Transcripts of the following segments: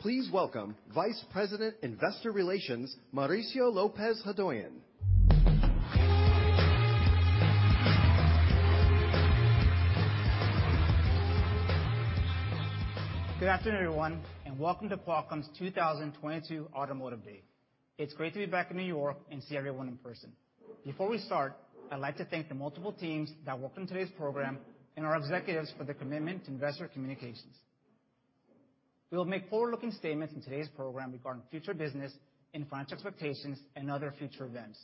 Please welcome Vice President, Investor Relations, Mauricio Lopez-Hodoyan. Good afternoon, everyone, and welcome to Qualcomm's 2022 Automotive Day. It's great to be back in New York and see everyone in person. Before we start, I'd like to thank the multiple teams that worked on today's program and our executives for their commitment to investor communications. We'll make forward-looking statements in today's program regarding future business and financial expectations and other future events.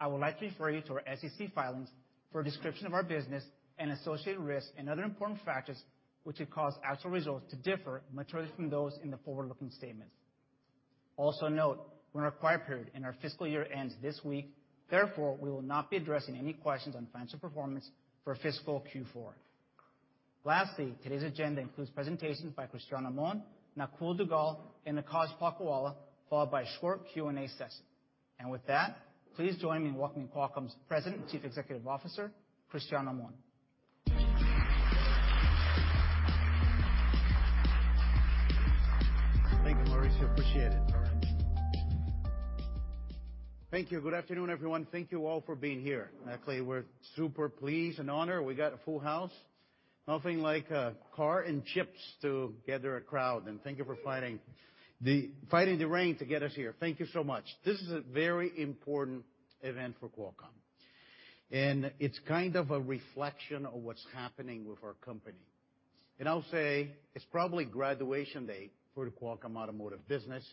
I would like to refer you to our SEC filings for a description of our business and associated risks and other important factors which have caused actual results to differ materially from those in the forward-looking statements. Also note, when our quiet period in our fiscal year ends this week, therefore, we will not be addressing any questions on financial performance for fiscal Q4. Lastly, today's agenda includes presentations by Cristiano Amon, Nakul Duggal, and Akash Palkhiwala, followed by a short Q&A session. With that, please join me in welcoming Qualcomm's President and Chief Executive Officer, Cristiano Amon. Thank you, Mauricio. Appreciate it. Thank you. Good afternoon, everyone. Thank you all for being here. Actually, we're super pleased and honored we got a full house. Nothing like car and chips to gather a crowd, and thank you for fighting the rain to get us here. Thank you so much. This is a very important event for Qualcomm, and it's kind of a reflection of what's happening with our company. I'll say it's probably graduation day for the Qualcomm automotive business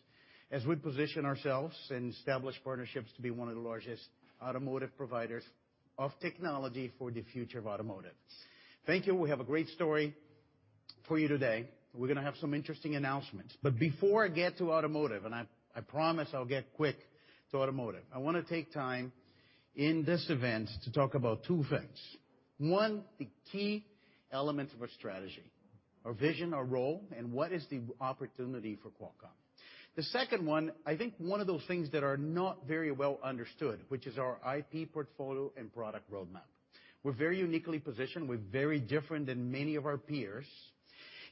as we position ourselves and establish partnerships to be one of the largest automotive providers of technology for the future of automotive. Thank you. We have a great story for you today. We're gonna have some interesting announcements. Before I get to automotive, and I promise I'll get quick to automotive, I wanna take time in this event to talk about two things. One, the key elements of our strategy, our vision, our role, and what is the opportunity for Qualcomm. The second one, I think one of those things that are not very well understood, which is our IP portfolio and product roadmap. We're very uniquely positioned. We're very different than many of our peers.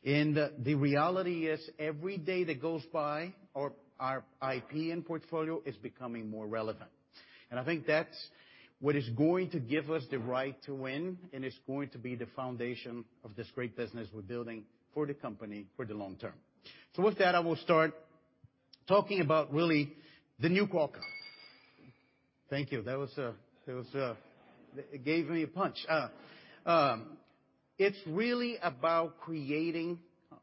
The reality is every day that goes by, our IP and portfolio is becoming more relevant. I think that's what is going to give us the right to win and is going to be the foundation of this great business we're building for the company for the long-term. With that, I will start talking about really the new Qualcomm. Thank you. It gave me a punch. It's really about creating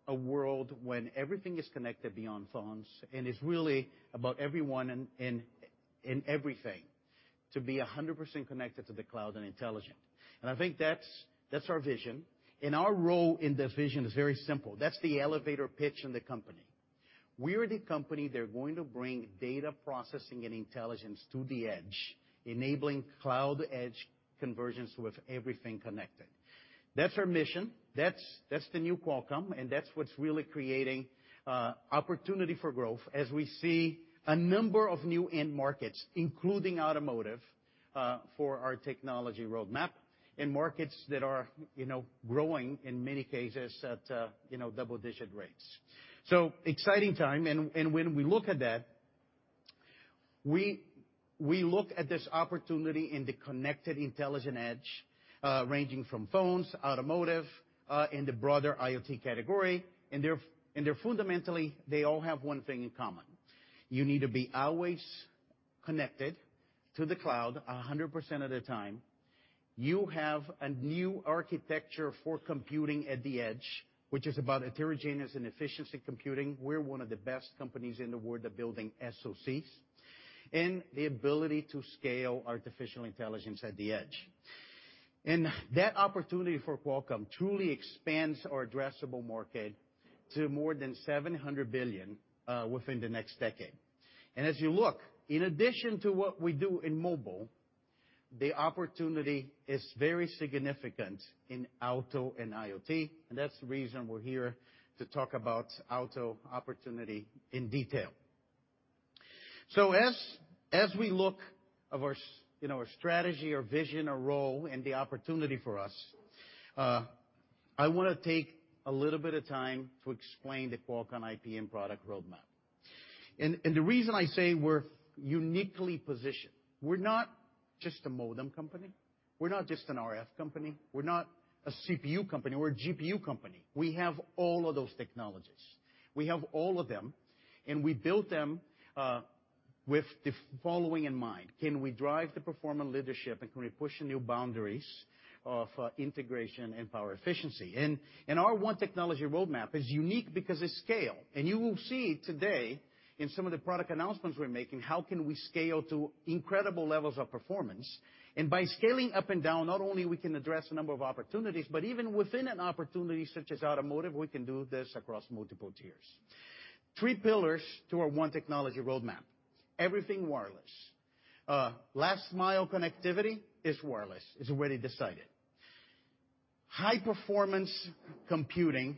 a world when everything is connected beyond phones and it's really about everyone and everything to be 100% connected to the cloud and intelligent. I think that's our vision. Our role in that vision is very simple. That's the elevator pitch in the company. We're the company that are going to bring data processing and intelligence to the edge, enabling cloud-edge convergence with everything connected. That's our mission. That's the new Qualcomm, and that's what's really creating opportunity for growth as we see a number of new end markets, including automotive, for our technology roadmap, in markets that are, you know, growing in many cases at, you know, double-digit rates. Exciting time. When we look at that, we look at this opportunity in the connected intelligent edge, ranging from phones, automotive, in the broader IoT category, and they are fundamentally, they all have one thing in common. You need to be always connected to the cloud 100% of the time. You have a new architecture for computing at the edge, which is about heterogeneous and efficient computing. We're one of the best companies in the world at building SoCs. The ability to scale Artificial Intelligence at the edge. That opportunity for Qualcomm truly expands our addressable market to more than $700 billion within the next decade. As you look, in addition to what we do in mobile, the opportunity is very significant in auto and IoT, and that's the reason we're here to talk about auto opportunity in detail. As we look at our you know, our strategy, our vision, our role, and the opportunity for us, I wanna take a little bit of time to explain the Qualcomm IP and product roadmap. The reason I say we're uniquely positioned, we're not just a modem company. We're not just an RF company. We're not a CPU company. We're a GPU company. We have all of those technologies. We have all of them, and we built them with the following in mind. Can we drive the performance leadership and can we push new boundaries of integration and power efficiency? Our One Technology Roadmap is unique because it's scalable. You will see today in some of the product announcements we're making, how can we scale to incredible levels of performance? By scaling up and down, not only we can address a number of opportunities, but even within an opportunity such as automotive, we can do this across multiple tiers. Three pillars to our One Technology Roadmap. Everything wireless. Last-mile connectivity is wireless. It's already decided. High performance computing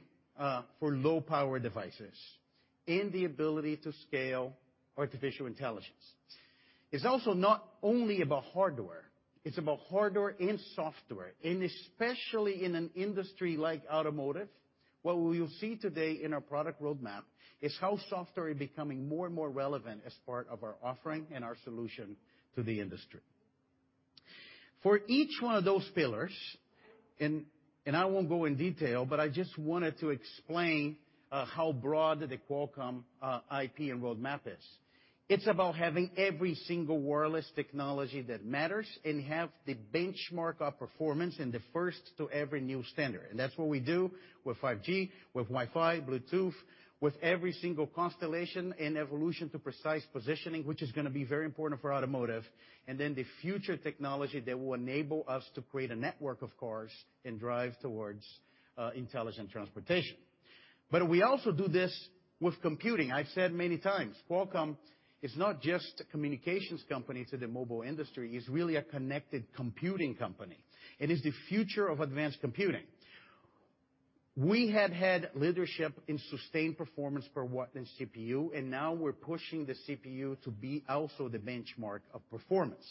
for low power devices. The ability to scale Artificial Intelligence. It's also not only about hardware, it's about hardware and software, and especially in an industry like automotive. What we will see today in our product roadmap is how software is becoming more and more relevant as part of our offering and our solution to the industry. For each one of those pillars, and I won't go in detail, but I just wanted to explain how broad the Qualcomm IP and roadmap is. It's about having every single wireless technology that matters and have the benchmark of performance and the first to every new standard. That's what we do with 5G, with Wi-Fi, Bluetooth, with every single constellation and evolution to precise positioning, which is gonna be very important for automotive. Then the future technology that will enable us to create a network of cars and drive towards intelligent transportation. We also do this with computing. I've said many times, Qualcomm is not just a communications company to the mobile industry, it's really a connected computing company. It is the future of advanced computing. We have had leadership in sustained performance per watt in CPU, and now we're pushing the CPU to be also the benchmark of performance.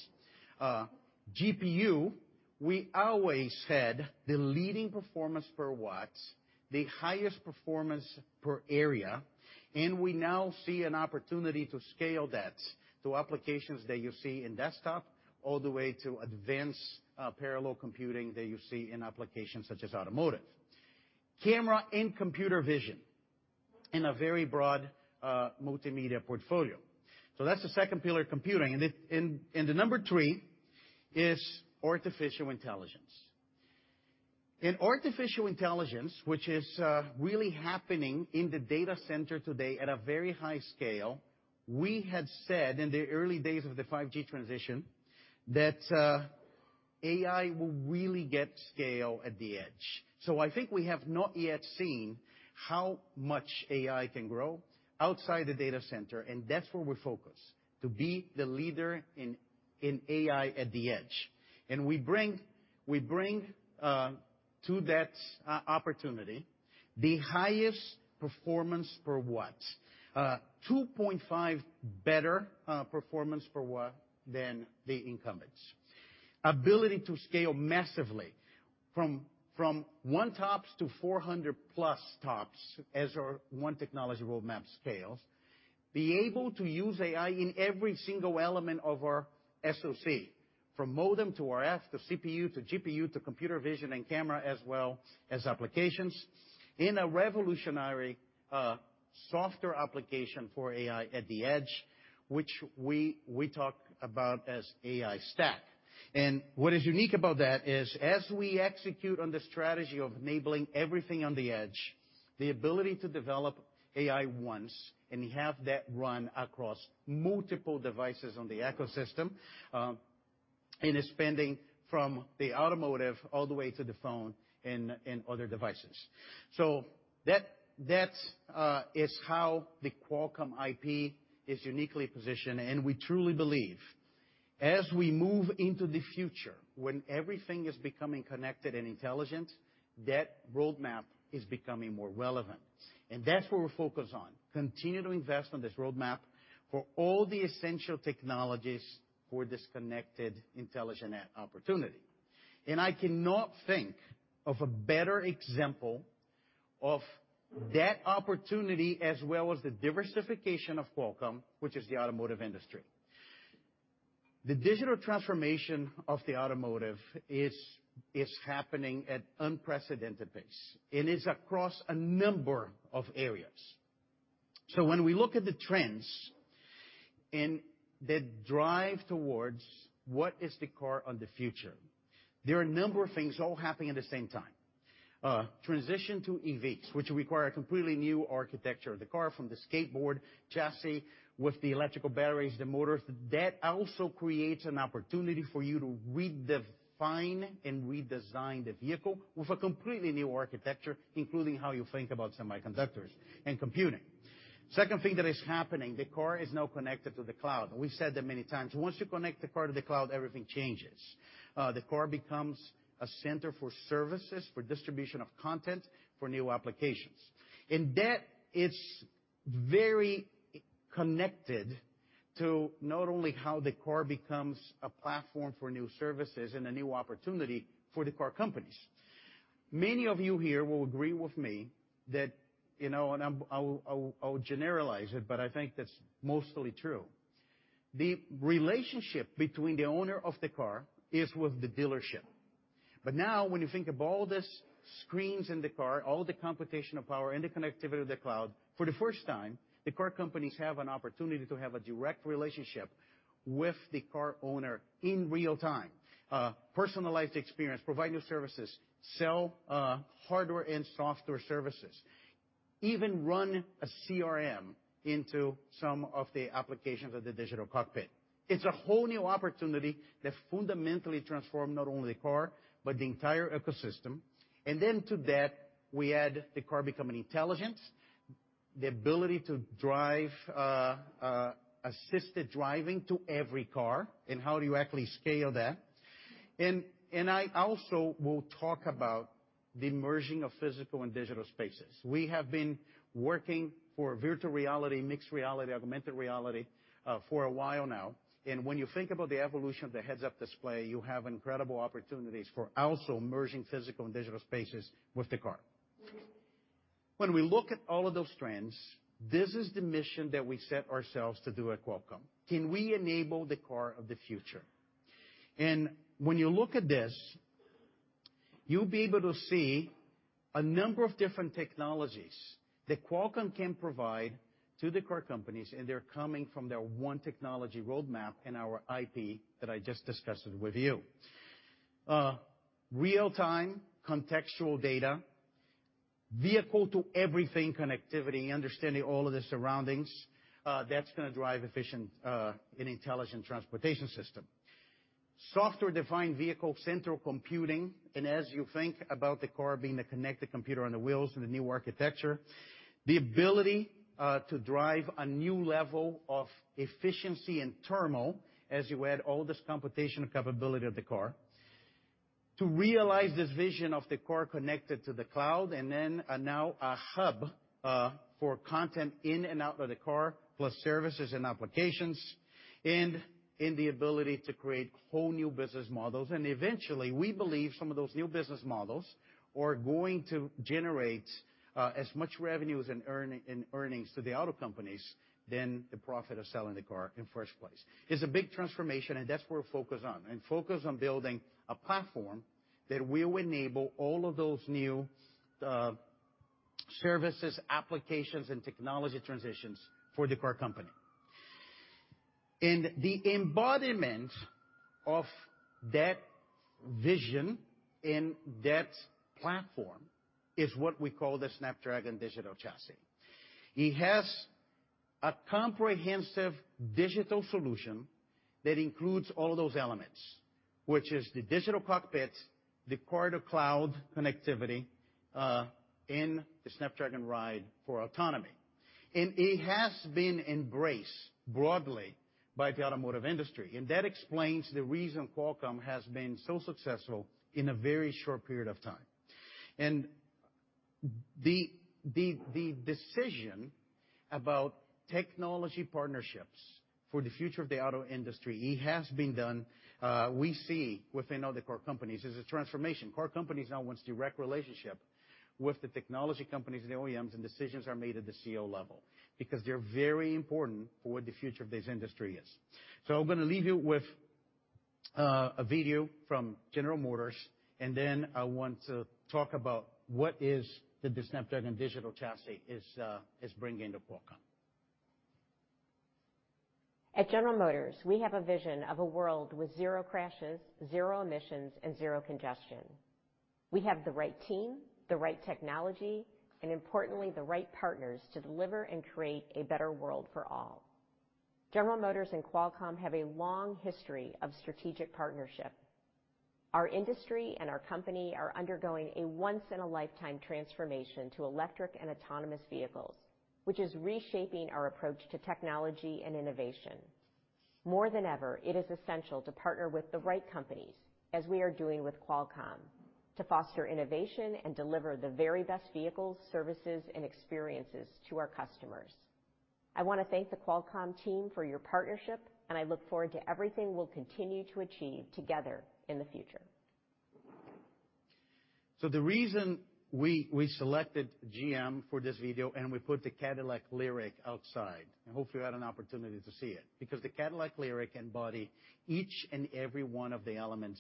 GPU, we always had the leading performance per watts, the highest performance per area, and we now see an opportunity to scale that to applications that you see in desktop, all the way to advanced parallel computing that you see in applications such as automotive. Camera and computer vision in a very broad multimedia portfolio. So that's the second pillar, computing. The number three is Artificial Intelligence. In Artificial Intelligence, which is really happening in the data center today at a very high scale, we had said in the early days of the 5G transition that AI will really get scale at the edge.I think we have not yet seen how much AI can grow outside the data center, and that's where we're focused, to be the leader in AI at the edge. We bring to that opportunity the highest performance per watt. 2.5 better performance per watt than the incumbents. Ability to scale massively from one TOPS to 400+ TOPS as our one technology roadmap scales. Be able to use AI in every single element of our SoC, from modem to RF, to CPU, to GPU, to computer vision and camera, as well as applications, in a revolutionary software application for AI at the edge, which we talk about as AI stack. What is unique about that is, as we execute on the strategy of enabling everything on the edge, the ability to develop AI once and have that run across multiple devices on the ecosystem, and it's spanning from the automotive all the way to the phone and other devices. That is how the Qualcomm IP is uniquely positioned. We truly believe as we move into the future when everything is becoming connected and intelligent, that roadmap is becoming more relevant. That's where we're focused on, continue to invest on this roadmap for all the essential technologies for this connected intelligent opportunity. I cannot think of a better example of that opportunity as well as the diversification of Qualcomm, which is the automotive industry. The digital transformation of the automotive is happening at unprecedented pace, and it's across a number of areas. When we look at the trends and the drive towards what is the car of the future, there are a number of things all happening at the same time. Transition to EVs, which require a completely new architecture of the car from the skateboard chassis, with the electrical batteries, the motors. That also creates an opportunity for you to redefine and redesign the vehicle with a completely new architecture, including how you think about semiconductors and computing. Second thing that is happening, the car is now connected to the cloud. We said that many times. Once you connect the car to the cloud, everything changes. The car becomes a center for services, for distribution of content, for new applications. That is very connected to not only how the car becomes a platform for new services and a new opportunity for the car companies. Many of you here will agree with me that, you know, I'll generalize it, but I think that's mostly true. The relationship between the owner of the car is with the dealership. Now when you think of all these screens in the car, all the computational power and the connectivity of the cloud, for the first time, the car companies have an opportunity to have a direct relationship with the car owner in real-time, personalized experience, provide new services, sell hardware and software services. Even run a CRM into some of the applications of the digital cockpit. It's a whole new opportunity that fundamentally transform not only the car but the entire ecosystem. To that, we add the car becoming intelligent. The ability to drive, assisted driving to every car and how do you actually scale that. I also will talk about the merging of physical and digital spaces. We have been working for virtual reality, mixed reality, augmented reality, for a while now, and when you think about the evolution of the heads-up display, you have incredible opportunities for also merging physical and digital spaces with the car. When we look at all of those trends, this is the mission that we set ourselves to do at Qualcomm. Can we enable the car of the future? When you look at this, you'll be able to see a number of different technologies that Qualcomm can provide to the car companies, and they're coming from their one technology roadmap in our IP that I just discussed with you. Real-time contextual data, vehicle to everything connectivity, understanding all of the surroundings, that's gonna drive efficient and intelligent transportation system. Software-defined vehicle central computing, and as you think about the car being the connected computer on the wheels and the new architecture. The ability to drive a new level of efficiency and thermal as you add all this computational capability of the car. To realize this vision of the car connected to the cloud, and then now a hub for content in and out of the car, plus services and applications. In the ability to create whole new business models, and eventually, we believe some of those new business models are going to generate as much revenue as in earnings to the auto companies as the profit of selling the car in first place. It's a big transformation, and that's where we're focused on, and focused on building a platform that will enable all of those new services, applications, and technology transitions for the car company. The embodiment of that vision and that platform is what we call the Snapdragon Digital Chassis. It has a comprehensive digital solution that includes all those elements, which is the digital cockpit, the Car-to-Cloud connectivity, and the Snapdragon Ride for autonomy. It has been embraced broadly by the automotive industry, and that explains the reason Qualcomm has been so successful in a very short period of time. The decision about technology partnerships for the future of the auto industry, it has been done. We see within all the car companies. There's a transformation. Car companies now wants direct relationship with the technology companies and the OEMs, and decisions are made at the CEO level because they're very important for what the future of this industry is. I'm gonna leave you with a video from General Motors, and then I want to talk about what the Snapdragon Digital Chassis is bringing to Qualcomm. At General Motors, we have a vision of a world with zero crashes, zero emissions, and zero congestion. We have the right team, the right technology, and importantly, the right partners to deliver and create a better world for all. General Motors and Qualcomm have a long history of strategic partnership. Our industry and our company are undergoing a once-in-a-lifetime transformation to electric and autonomous vehicles, which is reshaping our approach to technology and innovation. More than ever, it is essential to partner with the right companies as we are doing with Qualcomm to foster innovation and deliver the very best vehicles, services, and experiences to our customers. I wanna thank the Qualcomm team for your partnership, and I look forward to everything we'll continue to achieve together in the future. The reason we selected GM for this video, and we put the Cadillac LYRIQ outside, and hopefully you had an opportunity to see it, because the Cadillac LYRIQ embody each and every one of the elements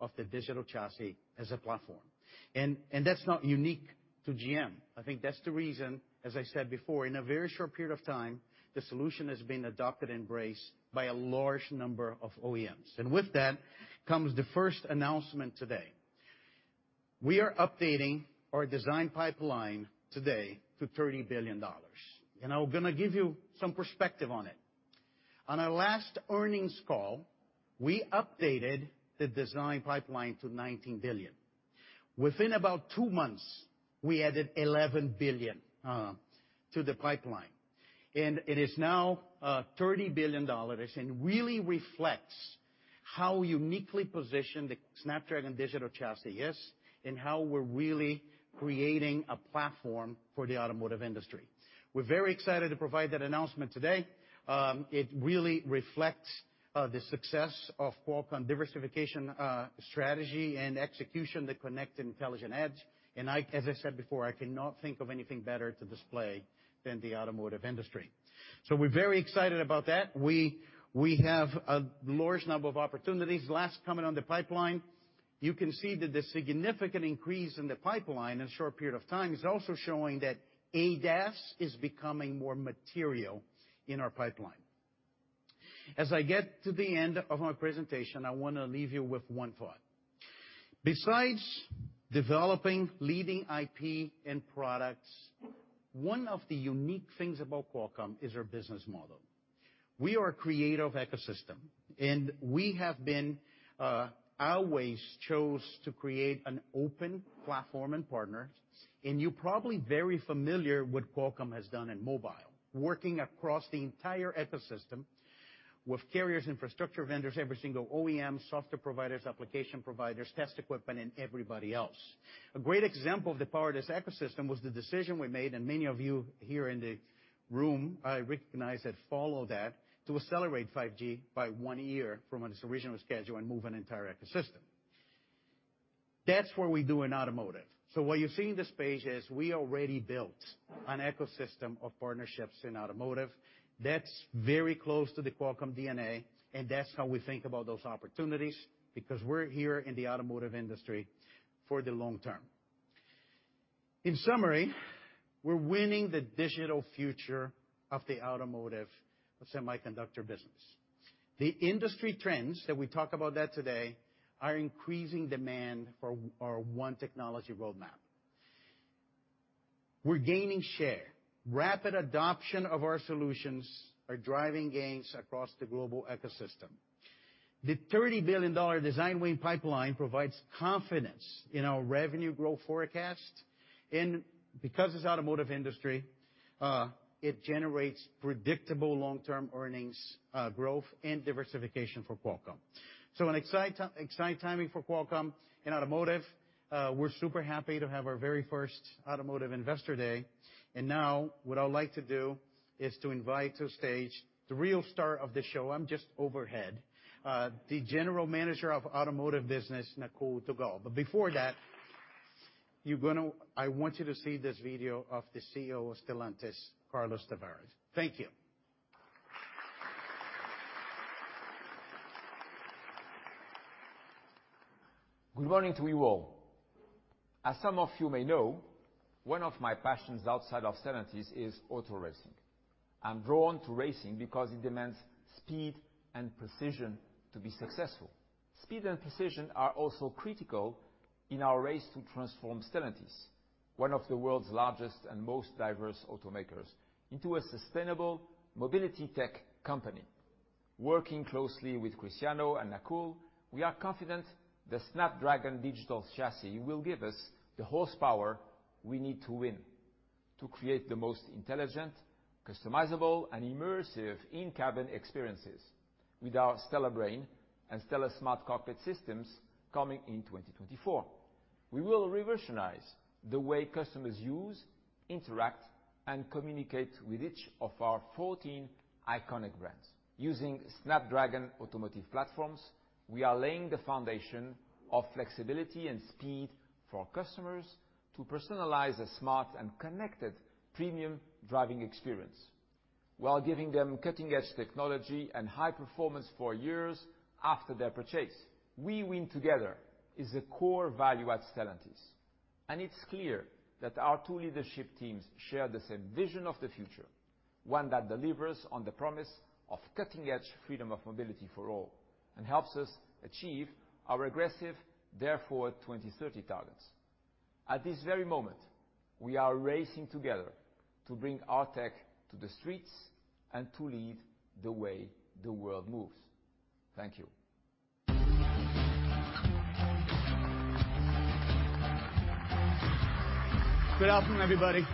of the Digital Chassis as a platform. That's not unique to GM. I think that's the reason, as I said before, in a very short period of time, the solution has been adopted and embraced by a large number of OEMs. With that comes the first announcement today. We are updating our design pipeline today to $30 billion, and I'm gonna give you some perspective on it. On our last earnings call, we updated the design pipeline to $19 billion. Within about two months, we added $11 billion to the pipeline, and it is now $30 billion, and really reflects how uniquely positioned the Snapdragon Digital Chassis is and how we're really creating a platform for the automotive industry. We're very excited to provide that announcement today. It really reflects the success of Qualcomm's diversification strategy and execution, the connected intelligent edge. I, as I said before, cannot think of anything better to display than the automotive industry. We're very excited about that. We have a large number of opportunities. Last comment on the pipeline. You can see that the significant increase in the pipeline in a short period of time is also showing that ADAS is becoming more material in our pipeline. As I get to the end of my presentation, I wanna leave you with one thought. Besides developing leading IP and products, one of the unique things about Qualcomm is our business model. We are a creative ecosystem, and we have been always chosen to create an open platform and partner. You are probably very familiar with what Qualcomm has done in mobile, working across the entire ecosystem with carriers, infrastructure vendors, every single OEM, software providers, application providers, test equipment, and everybody else. A great example of the power of this ecosystem was the decision we made, and many of you here in the room, I recognize, who followed that, to accelerate 5G by one year from its original schedule and move an entire ecosystem. That's what we do in automotive. What you see on this page is we already built an ecosystem of partnerships in automotive. That's very close to the Qualcomm DNA, and that's how we think about those opportunities, because we're here in the automotive industry for the long-term. In summary, we're winning the digital future of the automotive semiconductor business. The industry trends, that we talk about that today, are increasing demand for our One technology roadmap. We're gaining share. Rapid adoption of our solutions are driving gains across the global ecosystem. The $30 billion design win pipeline provides confidence in our revenue growth forecast. Because it's automotive industry, it generates predictable long-term earnings, growth, and diversification for Qualcomm. Exciting timing for Qualcomm in automotive. We're super happy to have our very first Automotive Investor Day. Now what I'd like to do is to invite to stage the real star of the show, I'm just overhead, the General Manager of Automotive Business, Nakul Duggal. Before that, I want you to see this video of the CEO of Stellantis, Carlos Tavares. Thank you. Good morning to you all. As some of you may know, one of my passions outside of Stellantis is auto racing. I'm drawn to racing because it demands speed and precision to be successful. Speed and precision are also critical in our race to transform Stellantis, one of the world's largest and most diverse automakers, into a sustainable mobility tech company. Working closely with Cristiano and Nakul, we are confident the Snapdragon Digital Chassis will give us the horsepower we need to win to create the most intelligent, customizable, and immersive in-cabin experiences with our STLA Brain and Stellar Smart Cockpit Systems coming in 2024. We will revolutionize the way customers use, interact, and communicate with each of our 14 iconic brands. Using Snapdragon automotive platforms, we are laying the foundation of flexibility and speed for our customers to personalize a smart and connected premium driving experience while giving them cutting-edge technology and high performance for years after their purchase. We win together is a core value at Stellantis, and it's clear that our two leadership teams share the same vision of the future, one that delivers on the promise of cutting-edge freedom of mobility for all and helps us achieve our aggressive Dare Forward 2030 targets. At this very moment, we are racing together to bring our tech to the streets and to lead the way the world moves. Thank you. Good afternoon, everybody.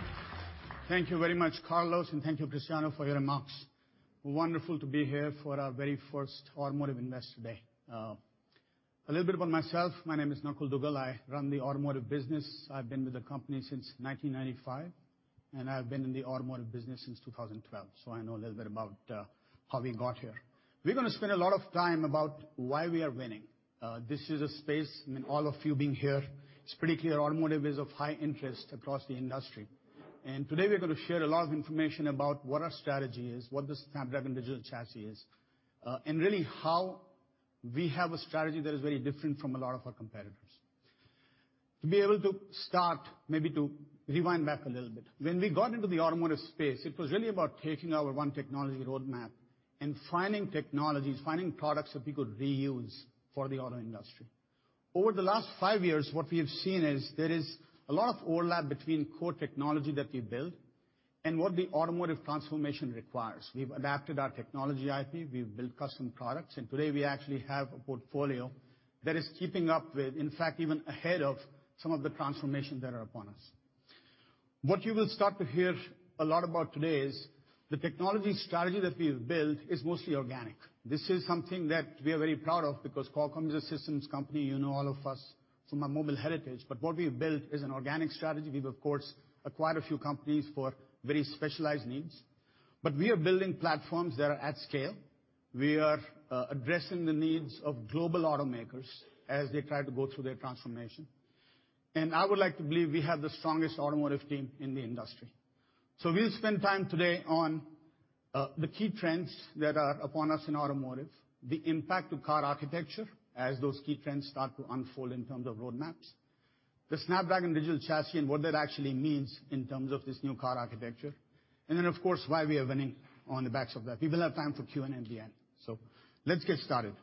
Thank you very much, Carlos, and thank you, Cristiano, for your remarks. Wonderful to be here for our very first Automotive Investor Day. A little bit about myself. My name is Nakul Duggal. I run the automotive business. I've been with the company since 1995, and I've been in the automotive business since 2012, so I know a little bit about how we got here. We're gonna spend a lot of time about why we are winning. This is a space, I mean, all of you being here, it's pretty clear automotive is of high interest across the industry. Today, we're gonna share a lot of information about what our strategy is, what the Snapdragon Digital Chassis is, and really how we have a strategy that is very different from a lot of our competitors. To be able to start, maybe to rewind back a little bit. When we got into the automotive space, it was really about taking our one technology roadmap and finding technologies, finding products that we could reuse for the auto industry. Over the last five years, what we have seen is there is a lot of overlap between core technology that we build and what the automotive transformation requires. We've adapted our technology IP, we've built custom products, and today we actually have a portfolio that is keeping up with, in fact, even ahead of some of the transformations that are upon us. What you will start to hear a lot about today is the technology strategy that we've built is mostly organic. This is something that we are very proud of because Qualcomm is a systems company. You know all of us from our mobile heritage. What we've built is an organic strategy. We've, of course, acquired a few companies for very specialized needs. We are building platforms that are at scale. We are addressing the needs of global automakers as they try to go through their transformation. I would like to believe we have the strongest automotive team in the industry. We'll spend time today on the key trends that are upon us in automotive, the impact to car architecture as those key trends start to unfold in terms of roadmaps, the Snapdragon Digital Chassis, and what that actually means in terms of this new car architecture. Then, of course, why we are winning on the backs of that. We will have time for Q&A at the end. Let's get started.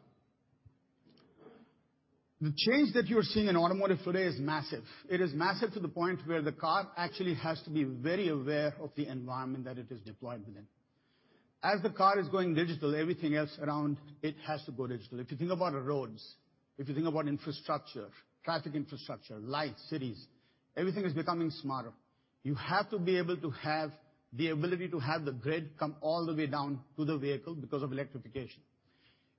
The change that you're seeing in automotive today is massive. It is massive to the point where the car actually has to be very aware of the environment that it is deployed within. As the car is going digital, everything else around it has to go digital. If you think about roads, if you think about infrastructure, traffic infrastructure, lights, cities, everything is becoming smarter. You have to be able to have the ability to have the grid come all the way down to the vehicle because of electrification.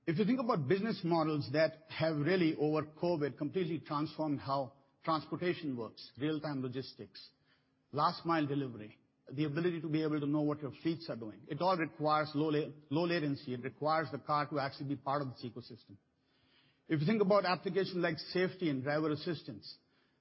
If you think about business models that have really, over COVID, completely transformed how transportation works, real-time logistics, last-mile delivery, the ability to be able to know what your fleets are doing, it all requires low latency. It requires the car to actually be part of this ecosystem. If you think about applications like safety and driver assistance,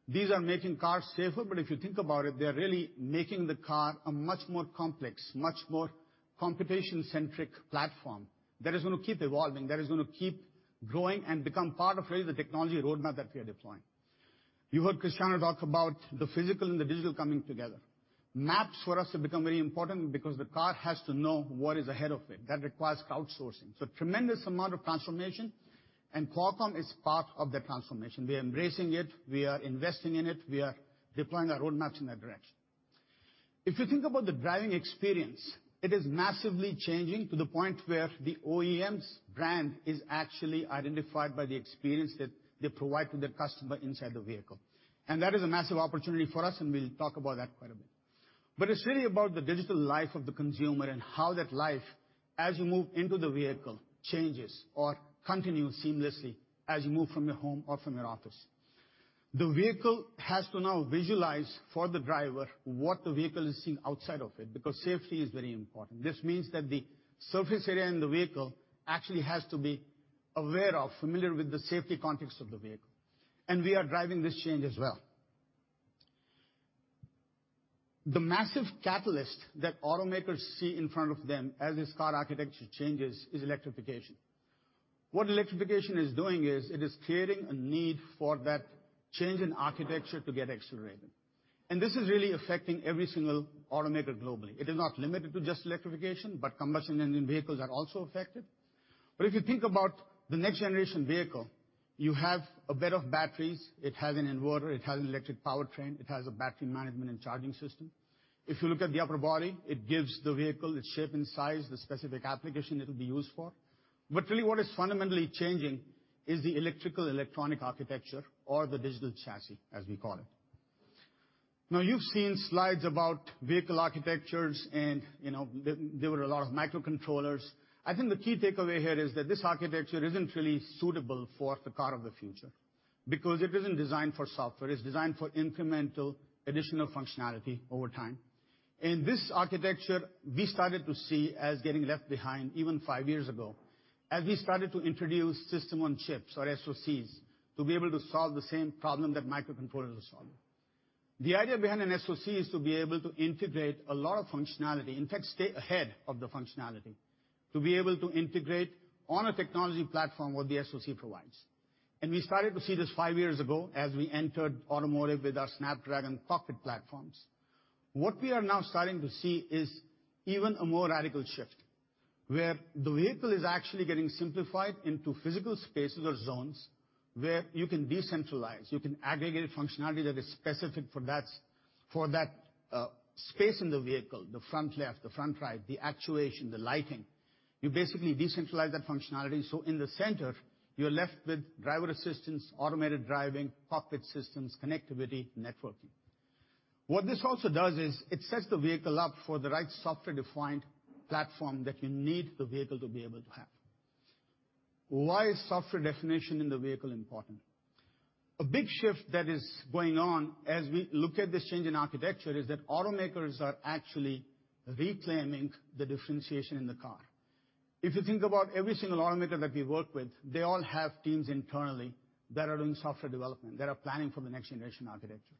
these are making cars safer, but if you think about it, they're really making the car a much more complex, much more computation-centric platform that is gonna keep evolving, that is gonna keep growing and become part of really the technology roadmap that we are deploying. You heard Cristiano talk about the physical and the digital coming together. Maps for us have become very important because the car has to know what is ahead of it. That requires crowdsourcing. Tremendous amount of transformation, and Qualcomm is part of that transformation. We are embracing it, we are investing in it, we are deploying our roadmaps in that direction. If you think about the driving experience, it is massively changing to the point where the OEM's brand is actually identified by the experience that they provide to the customer inside the vehicle. That is a massive opportunity for us, and we'll talk about that quite a bit. It's really about the digital life of the consumer and how that life, as you move into the vehicle, changes or continues seamlessly as you move from your home or from your office. The vehicle has to now visualize for the driver what the vehicle is seeing outside of it, because safety is very important. This means that the surface area in the vehicle actually has to be aware of, familiar with the safety context of the vehicle. We are driving this change as well. The massive catalyst that automakers see in front of them as this car architecture changes is electrification. What electrification is doing is, it is creating a need for that change in architecture to get accelerated. This is really affecting every single automaker globally. It is not limited to just electrification, but combustion engine vehicles are also affected. If you think about the next-generation vehicle, you have a bed of batteries. It has an inverter, it has electric powertrain, it has a battery management and charging system. If you look at the upper body, it gives the vehicle its shape and size, the specific application it'll be used for. Really what is fundamentally changing is the electrical electronic architecture or the digital chassis, as we call it. Now you've seen slides about vehicle architectures and, you know, there were a lot of microcontrollers. I think the key takeaway here is that this architecture isn't really suitable for the car of the future because it isn't designed for software. It's designed for incremental additional functionality over time. This architecture we started to see as getting left behind even five years ago as we started to introduce system on chips or SoCs to be able to solve the same problem that microcontrollers were solving. The idea behind an SoC is to be able to integrate a lot of functionality, in fact, stay ahead of the functionality, to be able to integrate on a technology platform what the SoC provides. We started to see this five years ago as we entered automotive with our Snapdragon Cockpit platforms. What we are now starting to see is even a more radical shift, where the vehicle is actually getting simplified into physical spaces or zones where you can decentralize, you can aggregate functionality that is specific for that space in the vehicle, the front left, the front right, the actuation, the lighting. You basically decentralize that functionality, so in the center you're left with driver assistance, automated driving, cockpit systems, connectivity, networking. What this also does is it sets the vehicle up for the right software-defined platform that you need the vehicle to be able to have. Why is software definition in the vehicle important? A big shift that is going on as we look at this change in architecture is that automakers are actually reclaiming the differentiation in the car. If you think about every single automaker that we work with, they all have teams internally that are doing software development, that are planning for the next-generation architecture.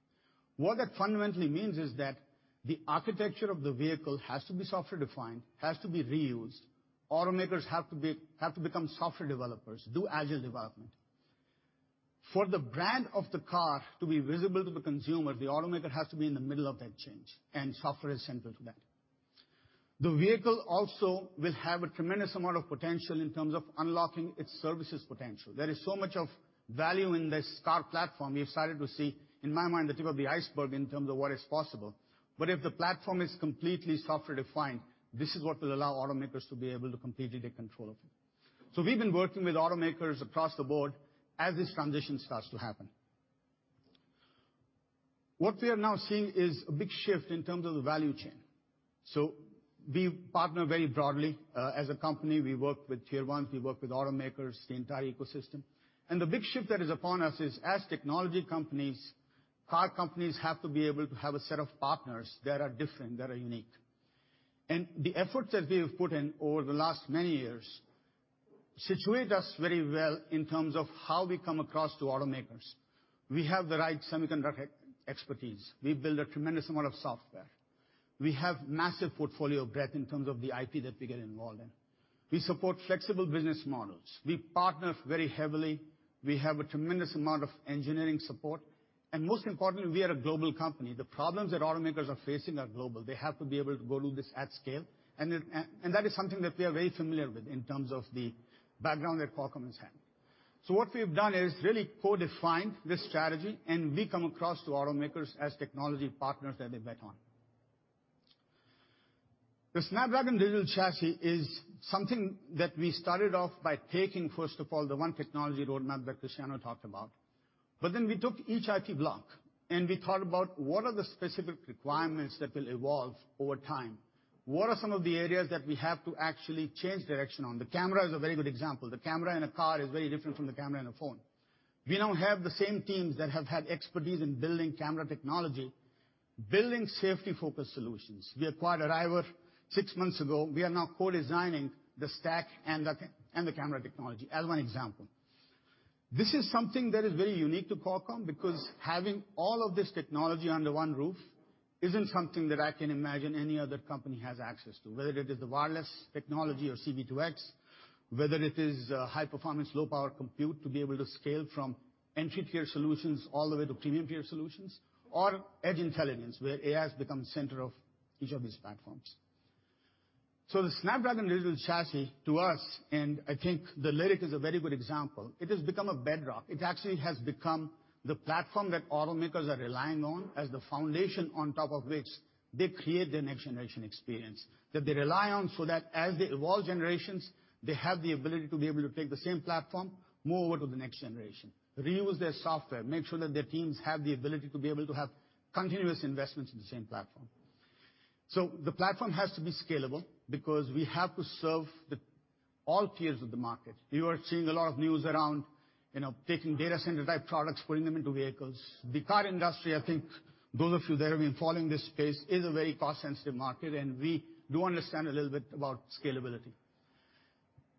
What that fundamentally means is that the architecture of the vehicle has to be software-defined, has to be reused. Automakers have to become software developers, do agile development. For the brand of the car to be visible to the consumer, the automaker has to be in the middle of that change, and software is central to that. The vehicle also will have a tremendous amount of potential in terms of unlocking its services potential. There is so much of value in this car platform we've started to see, in my mind, the tip of the iceberg in terms of what is possible. If the platform is completely software-defined, this is what will allow automakers to be able to completely take control of it. We've been working with automakers across the board as this transition starts to happen. What we are now seeing is a big shift in terms of the value chain. We partner very broadly. As a company, we work with tier ones, we work with automakers, the entire ecosystem. The big shift that is upon us is as technology companies, car companies have to be able to have a set of partners that are different, that are unique. The efforts that we have put in over the last many years situate us very well in terms of how we come across to automakers. We have the right semiconductor expertise. We build a tremendous amount of software. We have massive portfolio breadth in terms of the IP that we get involved in. We support flexible business models. We partner very heavily. We have a tremendous amount of engineering support. Most importantly, we are a global company. The problems that automakers are facing are global. They have to be able to go do this at scale, and that is something that we are very familiar with in terms of the background that Qualcomm has had. What we've done is really co-define this strategy, and we come across to automakers as technology partners that they bet on. The Snapdragon Digital Chassis is something that we started off by taking, first of all, the one technology roadmap that Cristiano talked about. Then we took each IP block, and we thought about what are the specific requirements that will evolve over time? What are some of the areas that we have to actually change direction on? The camera is a very good example. The camera in a car is very different from the camera in a phone. We don't have the same teams that have had expertise in building camera technology, building safety-focused solutions. We acquired Arriver six months ago. We are now co-designing the stack and the camera technology as one example. This is something that is very unique to Qualcomm because having all of this technology under one roof isn't something that I can imagine any other company has access to, whether it is the wireless technology or C-V2X, whether it is high performance, low power compute to be able to scale from entry tier solutions all the way to premium tier solutions or edge intelligence, where AI has become the center of each of these platforms. The Snapdragon Digital Chassis to us, and I think the LYRIQ is a very good example, it has become a bedrock. It actually has become the platform that automakers are relying on as the foundation on top of which they create their next generation experience, that they rely on so that as they evolve generations, they have the ability to be able to take the same platform, move over to the next generation, reuse their software, make sure that their teams have the ability to be able to have continuous investments in the same platform. The platform has to be scalable because we have to serve all tiers of the market. You are seeing a lot of news around, you know, taking data center-type products, putting them into vehicles. The car industry, I think those of you that have been following this space, it's a very cost-sensitive market, and we do understand a little bit about scalability.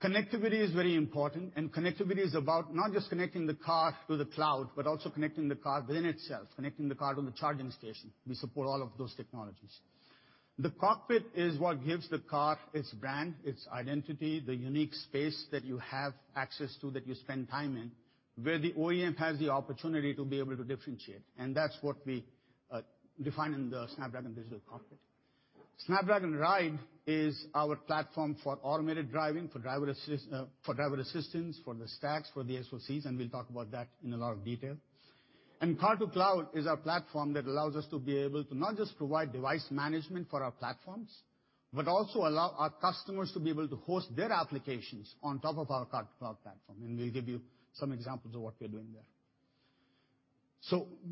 Connectivity is very important, and connectivity is about not just connecting the car to the cloud, but also connecting the car within itself, connecting the car to the charging station. We support all of those technologies. The cockpit is what gives the car its brand, its identity, the unique space that you have access to, that you spend time in, where the OEM has the opportunity to be able to differentiate. That's what we define in the Snapdragon Digital Cockpit. Snapdragon Ride is our platform for automated driving, for driver assistance, for the stacks, for the SoCs, and we'll talk about that in a lot of detail. Car-to-Cloud is our platform that allows us to be able to not just provide device management for our platforms, but also allow our customers to be able to host their applications on top of our Car-to-Cloud platform, and we'll give you some examples of what we're doing there.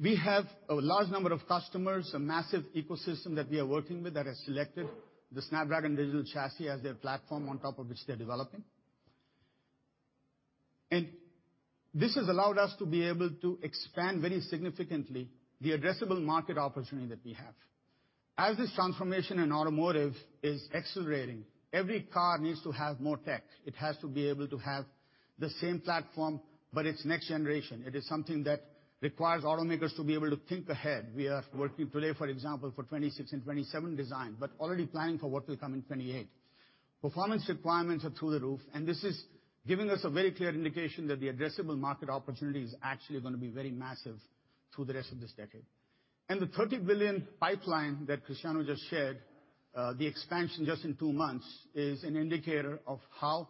We have a large number of customers, a massive ecosystem that we are working with that has selected the Snapdragon Digital Chassis as their platform on top of which they're developing. This has allowed us to be able to expand very significantly the addressable market opportunity that we have. As this transformation in automotive is accelerating, every car needs to have more tech. It has to be able to have the same platform, but it's next generation. It is something that requires automakers to be able to think ahead. We are working today, for example, for 2026 and 2027 design, but already planning for what will come in 2028. Performance requirements are through the roof, and this is giving us a very clear indication that the addressable market opportunity is actually gonna be very massive through the rest of this decade. The $30 billion pipeline that Cristiano just shared, the expansion just in two months is an indicator of how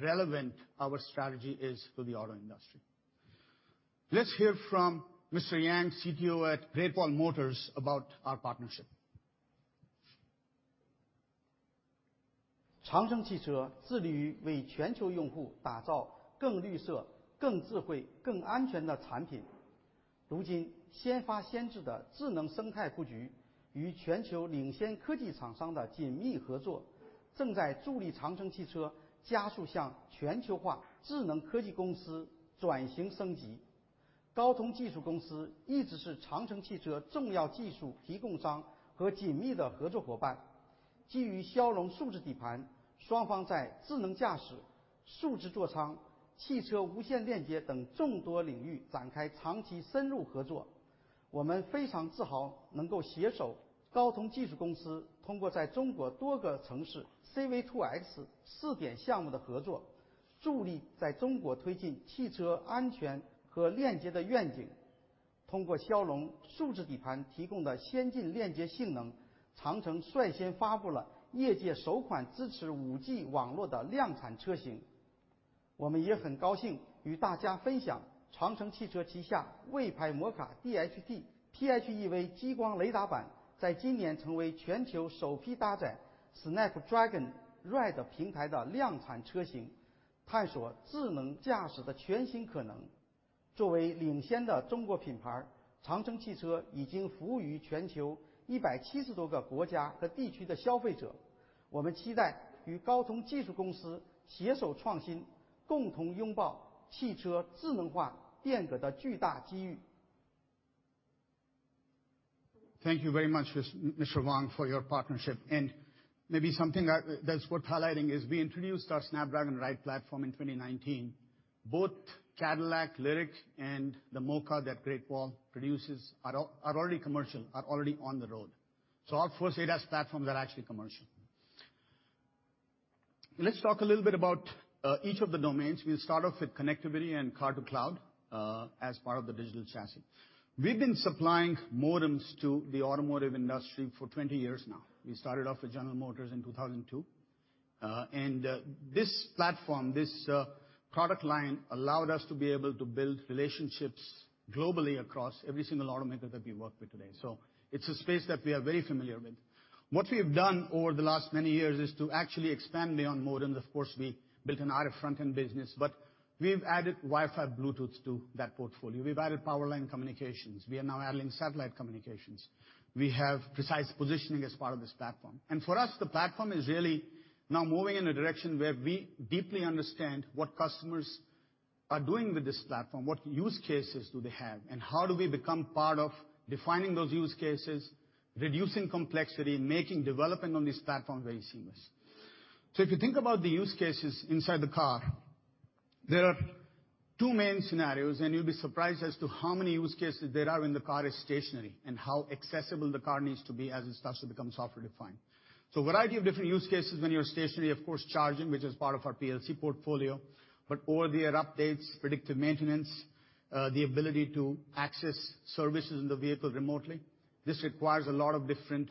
relevant our strategy is for the auto industry. Let's hear from Mr. Yang, CTO at Great Wall Motor, about our partnership. Thank you very much, Mr. Yang, for your partnership. Maybe something that's worth highlighting is we introduced our Snapdragon Ride platform in 2019. Both Cadillac LYRIQ and the Mocha that Great Wall produces are already commercial, are already on the road. Our first ADAS platforms are actually commercial. Let's talk a little bit about each of the domains. We'll start off with connectivity and Car-to-Cloud as part of the digital chassis. We've been supplying modems to the automotive industry for 20 years now. We started off with General Motors in 2002. This platform, this product line allowed us to be able to build relationships globally across every single automaker that we work with today. It's a space that we are very familiar with. What we have done over the last many years is to actually expand beyond modem. Of course, we built an RF front end business, but we've added Wi-Fi, Bluetooth to that portfolio. We've added powerline communications. We are now adding satellite communications. We have precise positioning as part of this platform. For us, the platform is really now moving in a direction where we deeply understand what customers are doing with this platform, what use cases do they have, and how do we become part of defining those use cases, reducing complexity, making development on this platform very seamless. If you think about the use cases inside the car, there are two main scenarios, and you'll be surprised as to how many use cases there are when the car is stationary and how accessible the car needs to be as it starts to become software-defined. Variety of different use cases when you're stationary, of course, charging, which is part of our PLC portfolio, but over-the-air updates, predictive maintenance, the ability to access services in the vehicle remotely. This requires a lot of different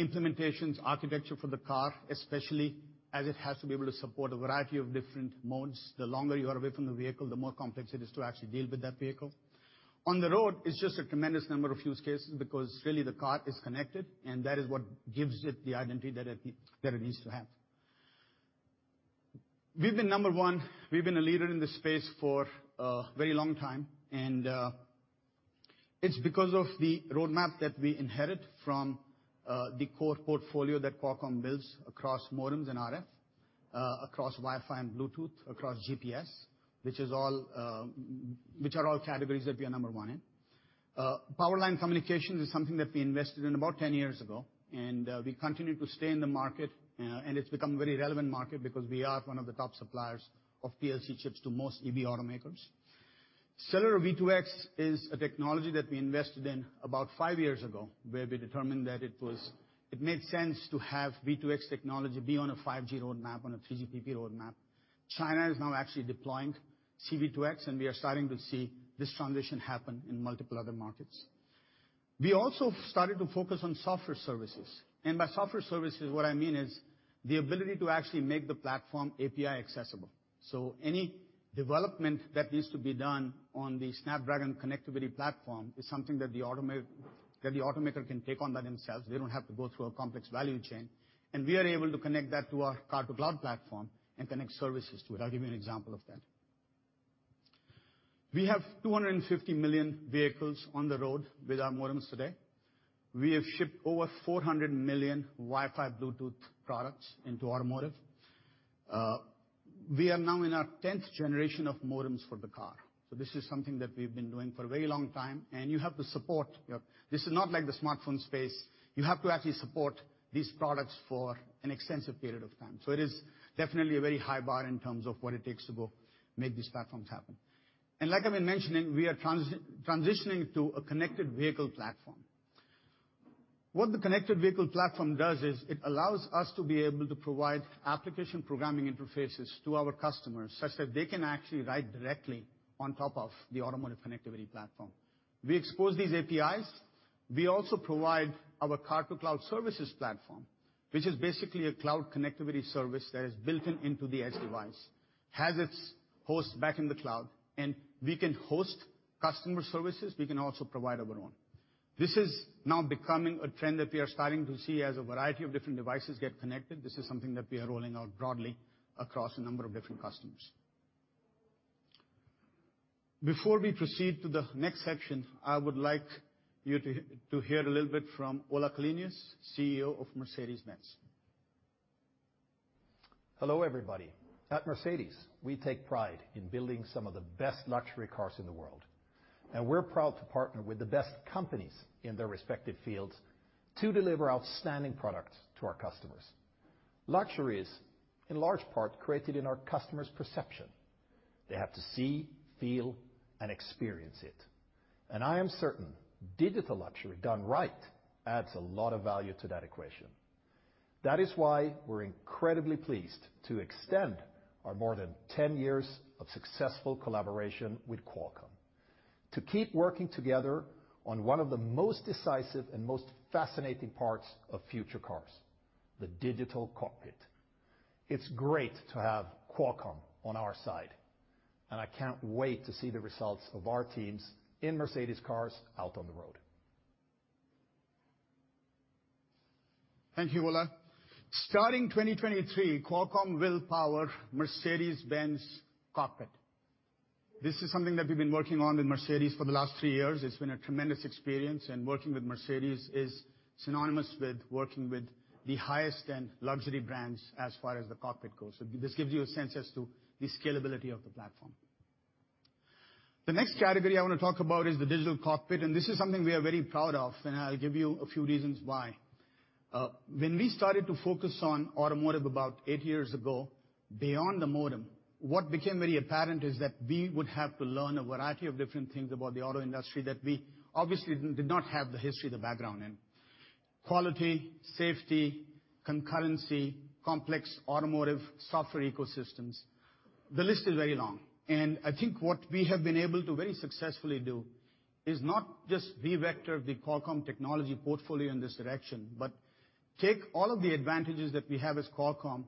implementations, architecture for the car, especially as it has to be able to support a variety of different modes. The longer you are away from the vehicle, the more complex it is to actually deal with that vehicle. On the road, it's just a tremendous number of use cases because really the car is connected, and that is what gives it the identity that it needs to have. We've been number one. We've been a leader in this space for a very long time, and it's because of the roadmap that we inherit from the core portfolio that Qualcomm builds across modems and RF, across Wi-Fi and Bluetooth, across GPS, which are all categories that we are number one in. Powerline communications is something that we invested in about 10 years ago, and we continue to stay in the market, and it's become a very relevant market because we are one of the top suppliers of PLC chips to most EV automakers. Cellular V2X is a technology that we invested in about five years ago, where we determined that it made sense to have V2X technology be on a 5G roadmap, on a 3GPP roadmap. China is now actually deploying C-V2X, and we are starting to see this transition happen in multiple other markets. We also started to focus on software services, and by software services, what I mean is the ability to actually make the platform API accessible. Any development that needs to be done on the Snapdragon connectivity platform is something that the automaker can take on by themselves. They don't have to go through a complex value chain. We are able to connect that to our Car-to-Cloud platform and connect services to it. I'll give you an example of that. We have 250 million vehicles on the road with our modems today. We have shipped over 400 million Wi-Fi, Bluetooth products into automotive. We are now in our 10th generation of modems for the car. This is something that we've been doing for a very long time. This is not like the smartphone space. You have to actually support these products for an extensive period of time. It is definitely a very high bar in terms of what it takes to go make these platforms happen. Like I've been mentioning, we are transitioning to a connected vehicle platform. What the connected vehicle platform does is it allows us to be able to provide application programming interfaces to our customers such that they can actually write directly on top of the automotive connectivity platform. We expose these APIs. We also provide our Car-to-Cloud services platform, which is basically a cloud connectivity service that is built in, into the edge device, has its host back in the cloud, and we can host customer services. We can also provide our own. This is now becoming a trend that we are starting to see as a variety of different devices get connected. This is something that we are rolling out broadly across a number of different customers. Before we proceed to the next section, I would like you to hear a little bit from Ola Källenius, CEO of Mercedes-Benz. Hello, everybody. At Mercedes, we take pride in building some of the best luxury cars in the world. We're proud to partner with the best companies in their respective fields to deliver outstanding products to our customers. Luxury is, in large part, created in our customer's perception. They have to see, feel, and experience it. I am certain digital luxury done right adds a lot of value to that equation. That is why we're incredibly pleased to extend our more than 10 years of successful collaboration with Qualcomm to keep working together on one of the most decisive and most fascinating parts of future cars, the digital cockpit. It's great to have Qualcomm on our side, and I can't wait to see the results of our teams in Mercedes cars out on the road. Thank you, Ola. Starting 2023, Qualcomm will power Mercedes-Benz cockpit. This is something that we've been working on with Mercedes for the last three years. It's been a tremendous experience, and working with Mercedes is synonymous with working with the highest-end luxury brands as far as the cockpit goes. This gives you a sense as to the scalability of the platform. The next category I wanna talk about is the digital cockpit, and this is something we are very proud of, and I'll give you a few reasons why. When we started to focus on automotive about eight years ago, beyond the modem, what became very apparent is that we would have to learn a variety of different things about the auto industry that we obviously did not have the history or the background in. Quality, safety, concurrency, complex automotive software ecosystems. The list is very long. I think what we have been able to very successfully do is not just revector the Qualcomm technology portfolio in this direction, but take all of the advantages that we have as Qualcomm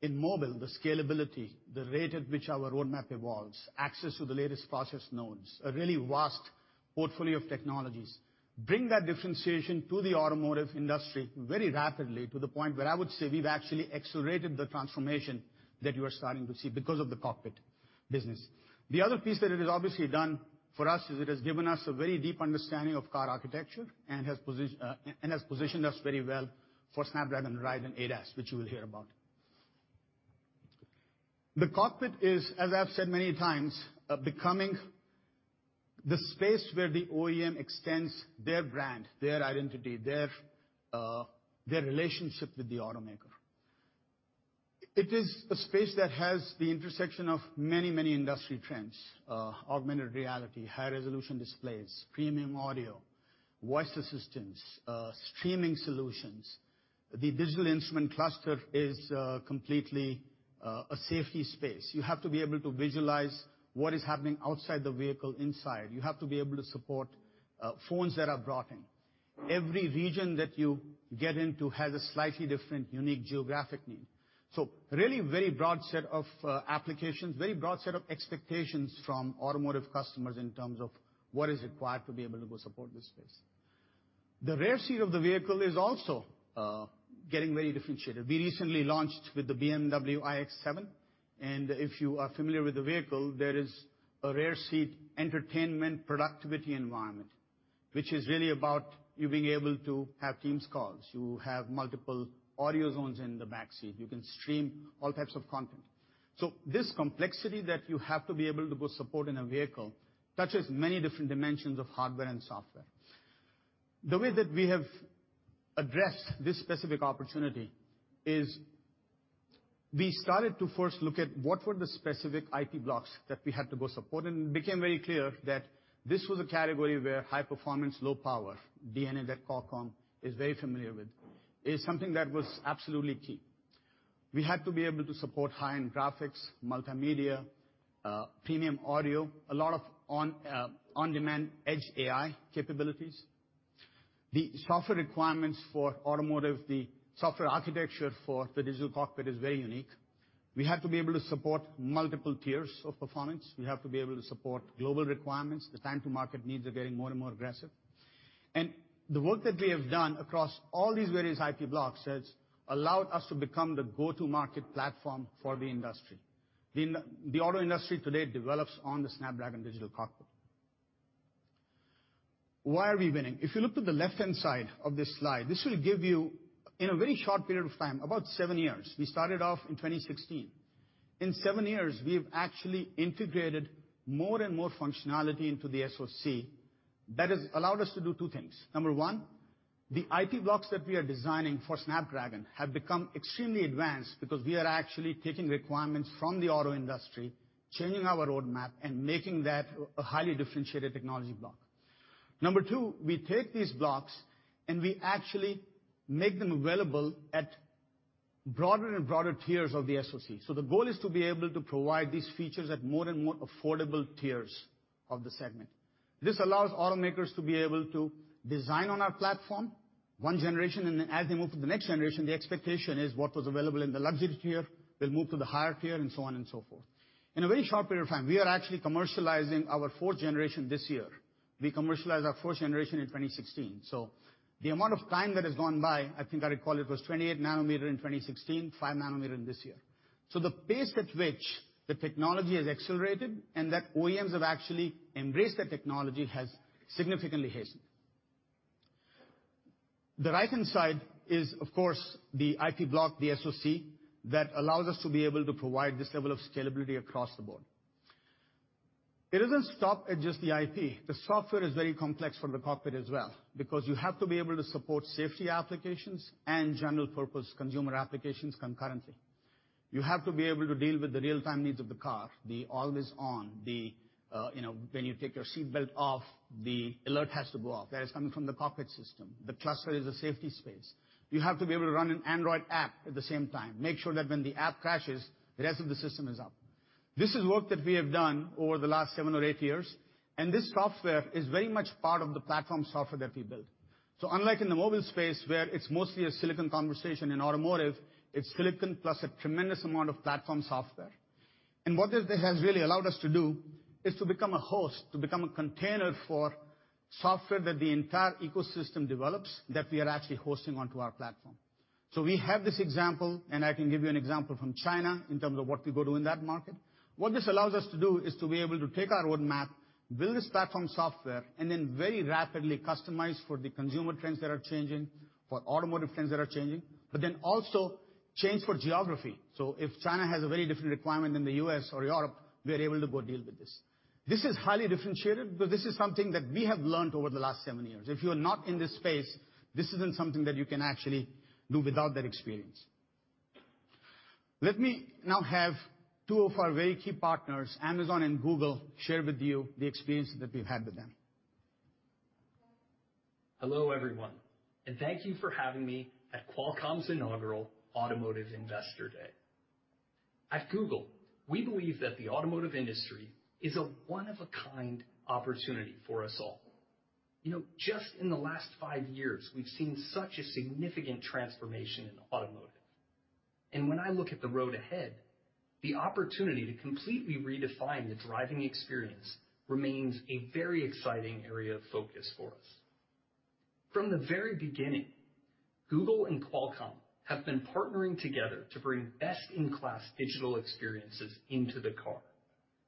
in mobile, the scalability, the rate at which our roadmap evolves, access to the latest process nodes, a really vast portfolio of technologies, bring that differentiation to the automotive industry very rapidly to the point where I would say we've actually accelerated the transformation that you are starting to see because of the cockpit business. The other piece that it has obviously done for us is it has given us a very deep understanding of car architecture and has positioned us very well for Snapdragon Ride and ADAS, which you will hear about. The cockpit is, as I've said many times, becoming the space where the OEM extends their brand, their identity, their relationship with the automaker. It is a space that has the intersection of many, many industry trends. Augmented reality, high-resolution displays, premium audio, voice assistance, streaming solutions. The digital instrument cluster is completely a safety space. You have to be able to visualize what is happening outside the vehicle inside. You have to be able to support phones that are brought in. Every region that you get into has a slightly different unique geographic need. Really very broad set of applications, very broad set of expectations from automotive customers in terms of what is required to be able to go support this space. The rear seat of the vehicle is also getting very differentiated. We recently launched with the BMW i7, and if you are familiar with the vehicle, there is a rear seat entertainment productivity environment, which is really about you being able to have Teams calls. You have multiple audio zones in the back seat. You can stream all types of content. This complexity that you have to be able to go support in a vehicle touches many different dimensions of hardware and software. The way that we have addressed this specific opportunity is we started to first look at what were the specific IP blocks that we had to go support and became very clear that this was a category where high performance, low power DNA that Qualcomm is very familiar with is something that was absolutely key. We had to be able to support high-end graphics, multimedia, premium audio, a lot of on-demand edge AI capabilities. The software requirements for automotive, the software architecture for the digital cockpit is very unique. We had to be able to support multiple tiers of performance. We have to be able to support global requirements. The time to market needs are getting more and more aggressive. The work that we have done across all these various IP blocks has allowed us to become the go-to market platform for the industry. The auto industry today develops on the Snapdragon Digital Cockpit. Why are we winning? If you look to the left-hand side of this slide, this will give you in a very short period of time, about seven years, we started off in 2016. In seven years, we've actually integrated more and more functionality into the SoC. That has allowed us to do two things. Number one, the IP blocks that we are designing for Snapdragon have become extremely advanced because we are actually taking requirements from the auto industry, changing our roadmap, and making that a highly differentiated technology block. Number two, we take these blocks, and we actually make them available at broader and broader tiers of the SoC. The goal is to be able to provide these features at more and more affordable tiers of the segment. This allows automakers to be able to design on our platform one generation, and then as they move to the next generation, the expectation is what was available in the luxury tier will move to the higher tier and so on and so forth. In a very short period of time, we are actually commercializing our fourth generation this year. We commercialized our first generation in 2016. The amount of time that has gone by, I think I recall it was 28 nanometer in 2016, five nanometer in this year. The pace at which the technology has accelerated and that OEMs have actually embraced the technology has significantly hastened. The right-hand side is of course the IP block, the SoC, that allows us to be able to provide this level of scalability across the board. It doesn't stop at just the IP. The software is very complex for the cockpit as well, because you have to be able to support safety applications and general purpose consumer applications concurrently. You have to be able to deal with the real-time needs of the car, the always-on, the, you know, when you take your seatbelt off, the alert has to go off. That is coming from the cockpit system. The cluster is a safety space. You have to be able to run an Android app at the same time, make sure that when the app crashes, the rest of the system is up. This is work that we have done over the last seven or years, and this software is very much part of the platform software that we build. Unlike in the mobile space where it's mostly a silicon conversation, in automotive, it's silicon plus a tremendous amount of platform software. What this has really allowed us to do is to become a host, to become a container for software that the entire ecosystem develops that we are actually hosting onto our platform. We have this example, and I can give you an example from China in terms of what we can do in that market. What this allows us to do is to be able to take our roadmap, build this platform software, and then very rapidly customize for the consumer trends that are changing, for automotive trends that are changing. Also change for geography. If China has a very different requirement than the U.S. or Europe, we are able to go deal with this. This is highly differentiated, but this is something that we have learned over the last seven years. If you are not in this space, this isn't something that you can actually do without that experience. Let me now have two of our very key partners, Amazon and Google, share with you the experience that we've had with them. Hello, everyone, and thank you for having me at Qualcomm's inaugural Automotive Investor Day. At Google, we believe that the automotive industry is a one-of-a-kind opportunity for us all. You know, just in the last five years, we've seen such a significant transformation in automotive. When I look at the road ahead, the opportunity to completely redefine the driving experience remains a very exciting area of focus for us. From the very beginning, Google and Qualcomm have been partnering together to bring best-in-class digital experiences into the car.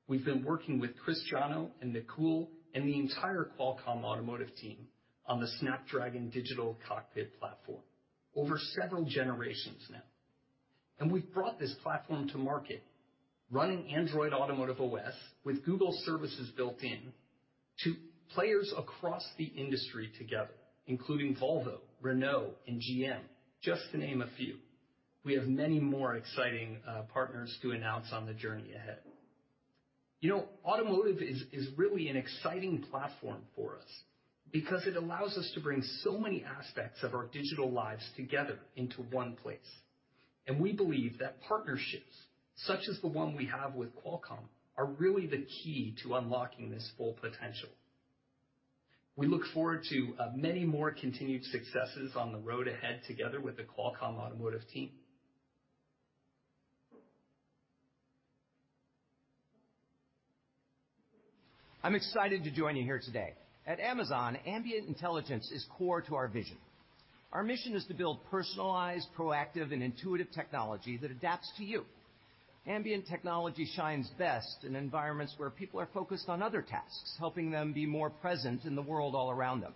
We've been working with Cristiano and Nakul and the entire Qualcomm automotive team on the Snapdragon Digital Cockpit platform over several generations now. We've brought this platform to market, running Android Automotive OS with Google services built in to players across the industry together, including Volvo, Renault and GM, just to name a few. We have many more exciting partners to announce on the journey ahead. You know, automotive is really an exciting platform for us because it allows us to bring so many aspects of our digital lives together into one place. We believe that partnerships, such as the one we have with Qualcomm, are really the key to unlocking this full potential. We look forward to many more continued successes on the road ahead together with the Qualcomm automotive team. I'm excited to join you here today. At Amazon, ambient intelligence is core to our vision. Our mission is to build personalized, proactive and intuitive technology that adapts to you. Ambient technology shines best in environments where people are focused on other tasks, helping them be more present in the world all around them.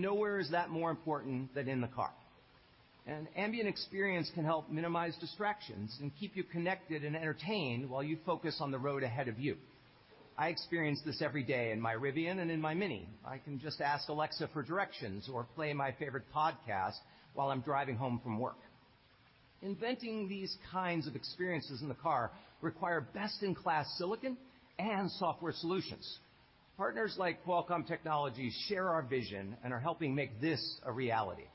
Nowhere is that more important than in the car. An ambient experience can help minimize distractions and keep you connected and entertained while you focus on the road ahead of you. I experience this every day in my Rivian and in my MINI. I can just ask Alexa for directions or play my favorite podcast while I'm driving home from work. Inventing these kinds of experiences in the car require best-in-class silicon and software solutions. Partners like Qualcomm Technologies share our vision and are helping make this a reality.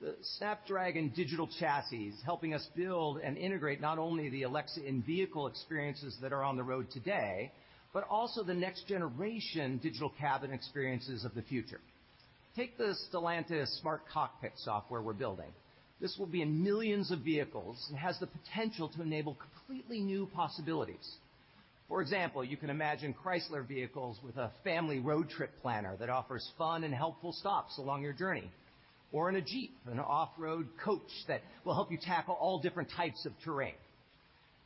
The Snapdragon Digital Chassis helping us build and integrate not only the Alexa in-vehicle experiences that are on the road today, but also the next generation digital cabin experiences of the future. Take the Stellantis smart cockpit software we're building. This will be in millions of vehicles and has the potential to enable completely new possibilities. For example, you can imagine Chrysler vehicles with a family road trip planner that offers fun and helpful stops along your journey, or in a Jeep, an off-road coach that will help you tackle all different types of terrain.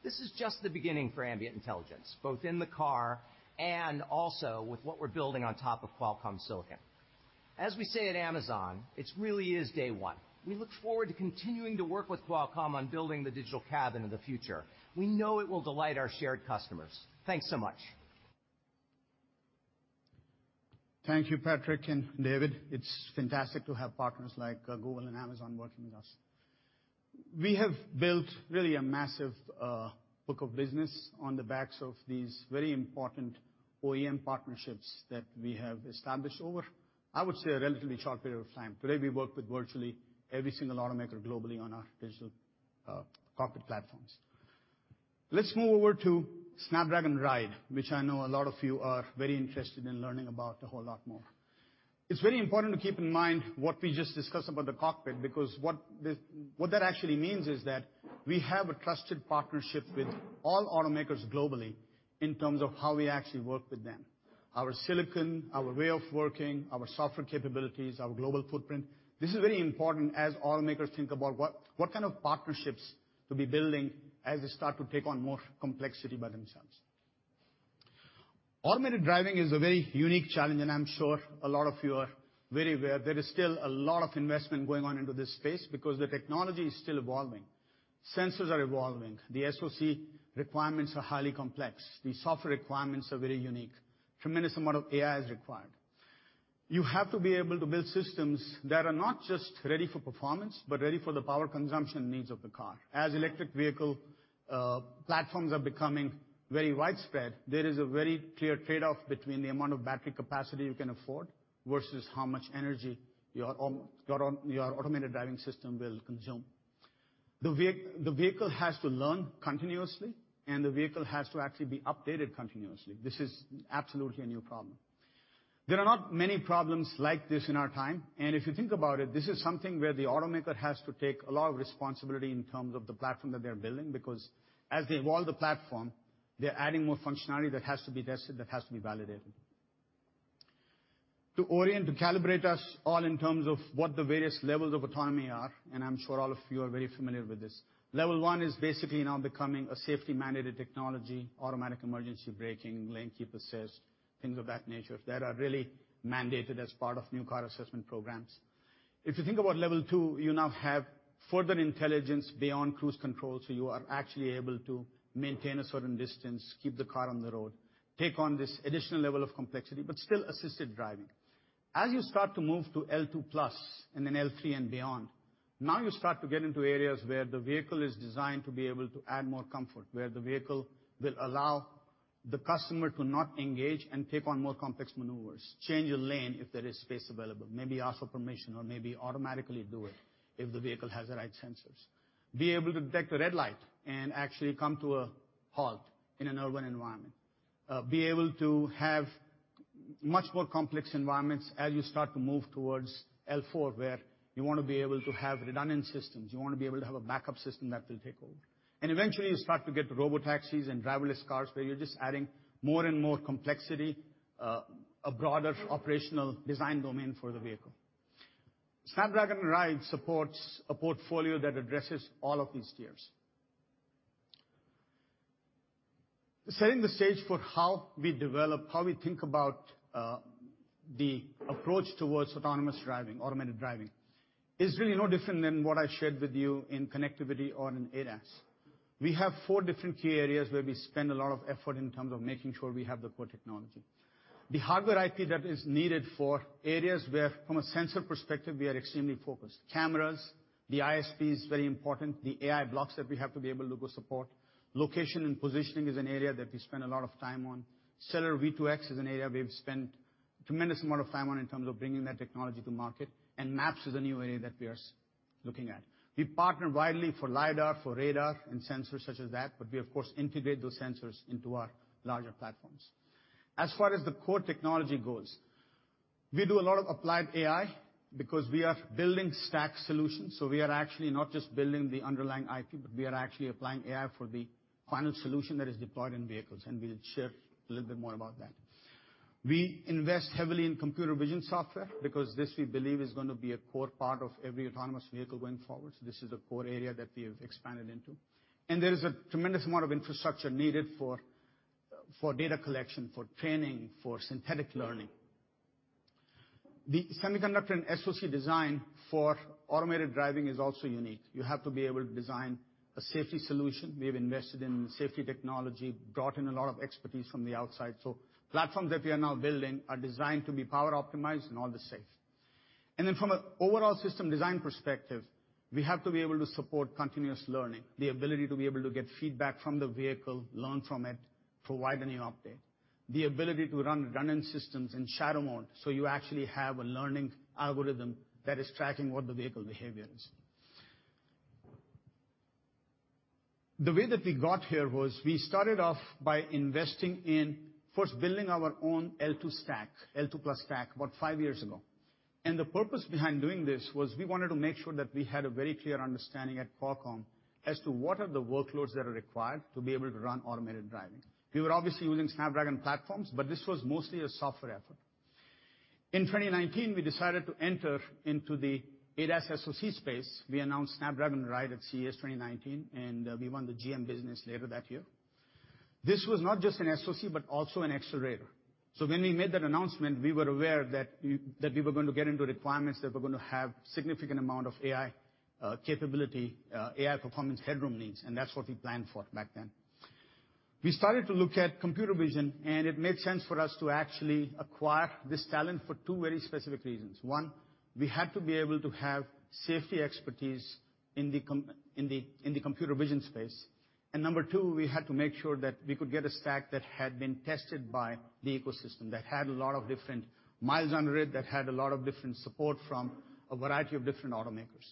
This is just the beginning for ambient intelligence, both in the car and also with what we're building on top of Qualcomm Silicon. As we say at Amazon, it really is day one. We look forward to continuing to work with Qualcomm on building the digital cabin of the future. We know it will delight our shared customers. Thanks so much. Thank you, Patrick and David. It's fantastic to have partners like Google and Amazon working with us. We have built really a massive book of business on the backs of these very important OEM partnerships that we have established over, I would say, a relatively short period of time. Today, we work with virtually every single automaker globally on our digital cockpit platforms. Let's move over to Snapdragon Ride, which I know a lot of you are very interested in learning about a whole lot more. It's very important to keep in mind what we just discussed about the cockpit, because what that actually means is that we have a trusted partnership with all automakers globally in terms of how we actually work with them. Our silicon, our way of working, our software capabilities, our global footprint. This is very important as automakers think about what kind of partnerships to be building as they start to take on more complexity by themselves. Automated driving is a very unique challenge, and I'm sure a lot of you are very aware there is still a lot of investment going on into this space because the technology is still evolving. Sensors are evolving. The SoC requirements are highly complex. The software requirements are very unique. Tremendous amount of AI is required. You have to be able to build systems that are not just ready for performance, but ready for the power consumption needs of the car. As electric vehicle platforms are becoming very widespread, there is a very clear trade-off between the amount of battery capacity you can afford versus how much energy your automated driving system will consume. The vehicle has to learn continuously, and the vehicle has to actually be updated continuously. This is absolutely a new problem. There are not many problems like this in our time, and if you think about it, this is something where the automaker has to take a lot of responsibility in terms of the platform that they're building, because as they evolve the platform, they're adding more functionality that has to be tested, that has to be validated. To orient, to calibrate us all in terms of what the various levels of autonomy are, and I'm sure all of you are very familiar with this, level one is basically now becoming a safety mandated technology. Automatic emergency braking, lane keep assist, things of that nature that are really mandated as part of new car assessment programs. If you think about level two, you now have further intelligence beyond cruise control, so you are actually able to maintain a certain distance, keep the car on the road, take on this additional level of complexity, but still assisted driving. As you start to move to L2+ and then L3 and beyond, now you start to get into areas where the vehicle is designed to be able to add more comfort, where the vehicle will allow the customer to not engage and take on more complex maneuvers, change a lane if there is space available, maybe ask for permission, or maybe automatically do it if the vehicle has the right sensors. Be able to detect a red light and actually come to a halt in an urban environment. Be able to have much more complex environments as you start to move towards L4, where you wanna be able to have redundant systems, you wanna be able to have a backup system that will take over. Eventually, you start to get robo taxis and driverless cars, where you're just adding more and more complexity, a broader operational design domain for the vehicle. Snapdragon Ride supports a portfolio that addresses all of these tiers. Setting the stage for how we develop, how we think about, the approach towards autonomous driving, automated driving is really no different than what I shared with you in connectivity or in ADAS. We have four different key areas where we spend a lot of effort in terms of making sure we have the core technology. The hardware IP that is needed for areas where, from a sensor perspective, we are extremely focused. Cameras, the ISP is very important, the AI blocks that we have to be able to go support. Location and positioning is an area that we spend a lot of time on. Cellular V2X is an area we've spent tremendous amount of time on in terms of bringing that technology to market, and Maps is a new area that we are looking at. We partner widely for LIDAR, for radar and sensors such as that, but we of course integrate those sensors into our larger platforms. As far as the core technology goes, we do a lot of applied AI because we are building stack solutions, so we are actually not just building the underlying IP, but we are actually applying AI for the final solution that is deployed in vehicles, and we'll share a little bit more about that. We invest heavily in computer vision software because this we believe is gonna be a core part of every autonomous vehicle going forward, so this is a core area that we have expanded into. There is a tremendous amount of infrastructure needed for data collection, for training, for synthetic learning. The semiconductor and SoC design for automated driving is also unique. You have to be able to design a safety solution. We have invested in safety technology, brought in a lot of expertise from the outside, so platforms that we are now building are designed to be power optimized and also safe. Then from an overall system design perspective, we have to be able to support continuous learning, the ability to be able to get feedback from the vehicle, learn from it, provide any update. The ability to run redundant systems in shadow mode, so you actually have a learning algorithm that is tracking what the vehicle behavior is. The way that we got here was we started off by investing in first building our own L2 stack, L2+ stack, about five years ago. The purpose behind doing this was we wanted to make sure that we had a very clear understanding at Qualcomm as to what are the workloads that are required to be able to run automated driving. We were obviously using Snapdragon platforms, but this was mostly a software effort. In 2019, we decided to enter into the ADAS SoC space. We announced Snapdragon Ride at CES 2019, and we won the GM business later that year. This was not just an SoC, but also an accelerator. When we made that announcement, we were aware that that we were going to get into requirements that were gonna have significant amount of AI capability, AI performance headroom needs, and that's what we planned for back then. We started to look at computer vision, and it made sense for us to actually acquire this talent for two very specific reasons. One, we had to be able to have safety expertise in the computer vision space. Number two, we had to make sure that we could get a stack that had been tested by the ecosystem, that had a lot of different miles on it, that had a lot of different support from a variety of different automakers.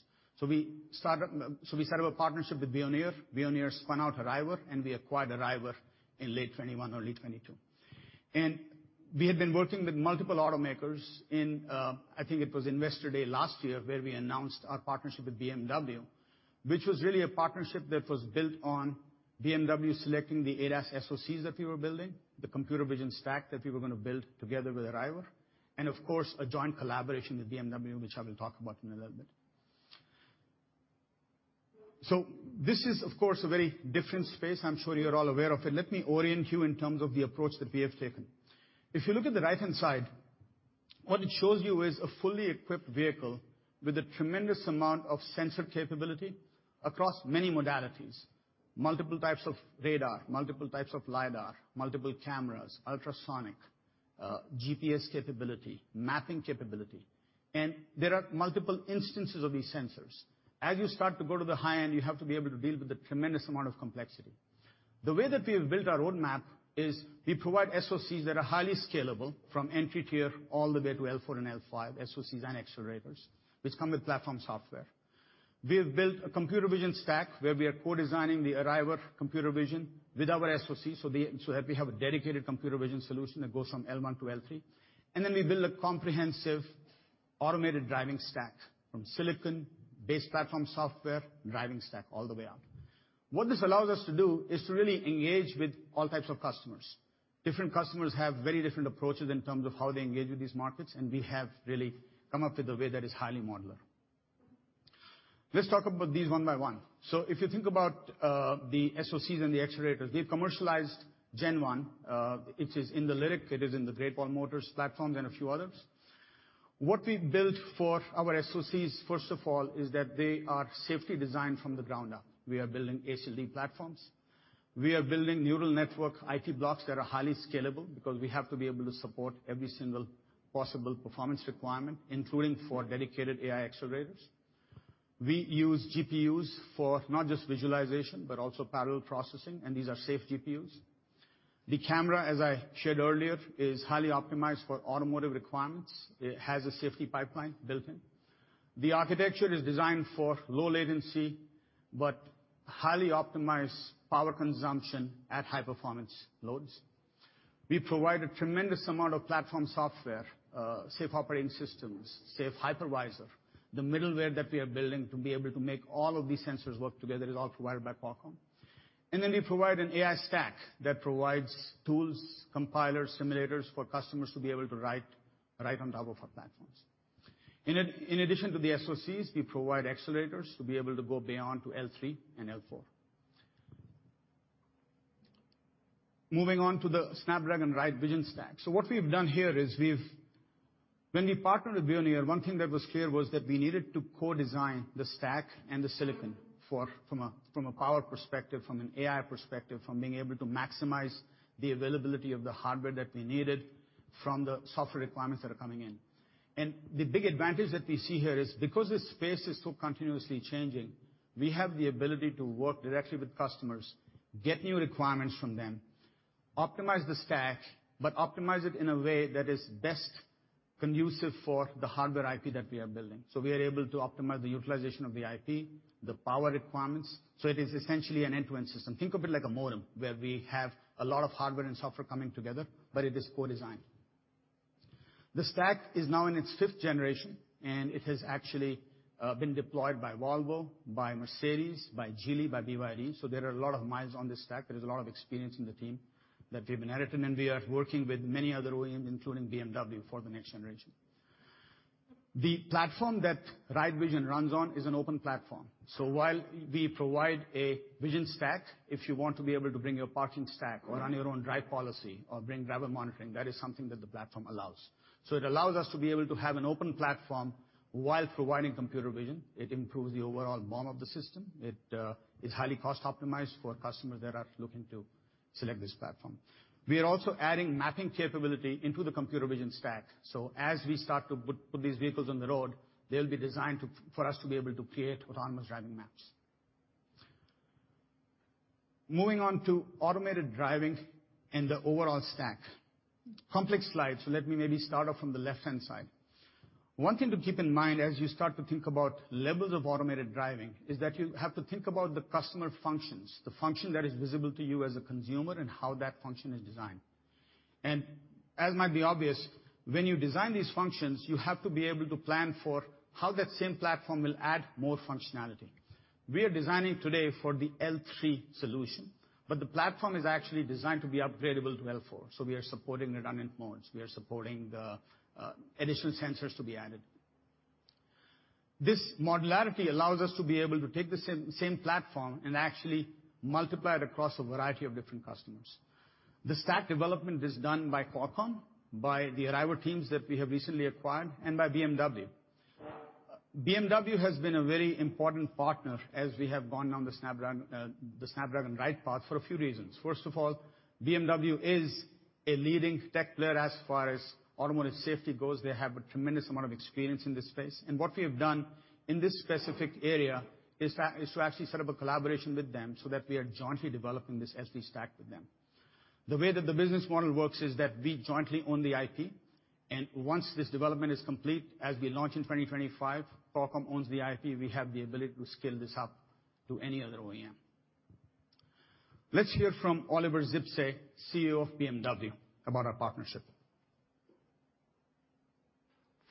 We set up a partnership with Veoneer. Veoneer spun out Arriver, and we acquired Arriver in late 2021, early 2022. We had been working with multiple automakers in I think it was Investor Day last year, where we announced our partnership with BMW, which was really a partnership that was built on BMW selecting the ADAS SoCs that we were building, the computer vision stack that we were gonna build together with Arriver, and of course, a joint collaboration with BMW, which I will talk about in a little bit. This is, of course, a very different space. I'm sure you're all aware of it. Let me orient you in terms of the approach that we have taken. If you look at the right-hand side, what it shows you is a fully equipped vehicle with a tremendous amount of sensor capability across many modalities. Multiple types of radar, multiple types of LIDAR, multiple cameras, ultrasonic, GPS capability, mapping capability. There are multiple instances of these sensors. As you start to go to the high end, you have to be able to deal with the tremendous amount of complexity. The way that we have built our roadmap is we provide SoCs that are highly scalable from entry tier all the way to L4 and L5 SoCs and accelerators, which come with platform software. We have built a computer vision stack where we are co-designing the Arriver computer vision with our SoC, so that we have a dedicated computer vision solution that goes from L1 to L3. We build a comprehensive automated driving stack from silicon-based platform software driving stack all the way out. What this allows us to do is to really engage with all types of customers. Different customers have very different approaches in terms of how they engage with these markets, and we have really come up with a way that is highly modular. Let's talk about these one by one. If you think about the SoCs and the accelerators, we've commercialized Gen One. It is in the LYRIQ, it is in the Great Wall Motor platforms and a few others. What we've built for our SoCs, first of all, is that they are safely designed from the ground up. We are building ASIL-D platforms. We are building neural network IP blocks that are highly scalable because we have to be able to support every single possible performance requirement, including for dedicated AI accelerators. We use GPUs for not just visualization, but also parallel processing, and these are safe GPUs. The camera, as I shared earlier, is highly optimized for automotive requirements. It has a safety pipeline built in. The architecture is designed for low latency, but highly optimized power consumption at high-performance loads. We provide a tremendous amount of platform software, safe operating systems, safe hypervisor. The middleware that we are building to be able to make all of these sensors work together is all provided by Qualcomm. We provide an AI stack that provides tools, compilers, simulators for customers to be able to write on top of our platforms. In addition to the SoCs, we provide accelerators to be able to go beyond to L3 and L4. Moving on to the Snapdragon Ride Vision stack. What we've done here is we've When we partnered with Veoneer, one thing that was clear was that we needed to co-design the stack and the silicon from a power perspective, from an AI perspective, from being able to maximize the availability of the hardware that we needed from the software requirements that are coming in. The big advantage that we see here is because this space is so continuously changing, we have the ability to work directly with customers, get new requirements from them, optimize the stack, but optimize it in a way that is best conducive for the hardware IP that we are building. We are able to optimize the utilization of the IP, the power requirements. It is essentially an end-to-end system. Think of it like a modem, where we have a lot of hardware and software coming together, but it is co-designed. The stack is now in its fifth generation, and it has actually been deployed by Volvo, by Mercedes, by Geely, by BYD, so there are a lot of miles on this stack. There is a lot of experience in the team that we've inherited, and we are working with many other OEMs, including BMW, for the next generation. The platform that Ride Vision runs on is an open platform. While we provide a vision stack, if you want to be able to bring your parking stack or run your own drive policy or bring driver monitoring, that is something that the platform allows. It allows us to be able to have an open platform while providing computer vision. It improves the overall BOM of the system. It is highly cost-optimized for customers that are looking to select this platform. We are also adding mapping capability into the computer vision stack. So as we start to put these vehicles on the road, they'll be designed for us to be able to create autonomous driving maps. Moving on to automated driving and the overall stack. Complex slide, so let me maybe start off from the left-hand side. One thing to keep in mind as you start to think about levels of automated driving is that you have to think about the customer functions, the function that is visible to you as a consumer and how that function is designed. As might be obvious, when you design these functions, you have to be able to plan for how that same platform will add more functionality. We are designing today for the L3 solution, but the platform is actually designed to be upgradable to L4, so we are supporting redundant modes. We are supporting the additional sensors to be added. This modularity allows us to be able to take the same platform and actually multiply it across a variety of different customers. The stack development is done by Qualcomm, by the Arriver teams that we have recently acquired, and by BMW. BMW has been a very important partner as we have gone down the Snapdragon Ride path for a few reasons. First of all, BMW is a leading tech player as far as automotive safety goes. They have a tremendous amount of experience in this space. What we have done in this specific area is to actually set up a collaboration with them so that we are jointly developing this SD stack with them. The way that the business model works is that we jointly own the IP, and once this development is complete, as we launch in 2025, Qualcomm owns the IP. We have the ability to scale this up to any other OEM. Let's hear from Oliver Zipse, CEO of BMW, about our partnership.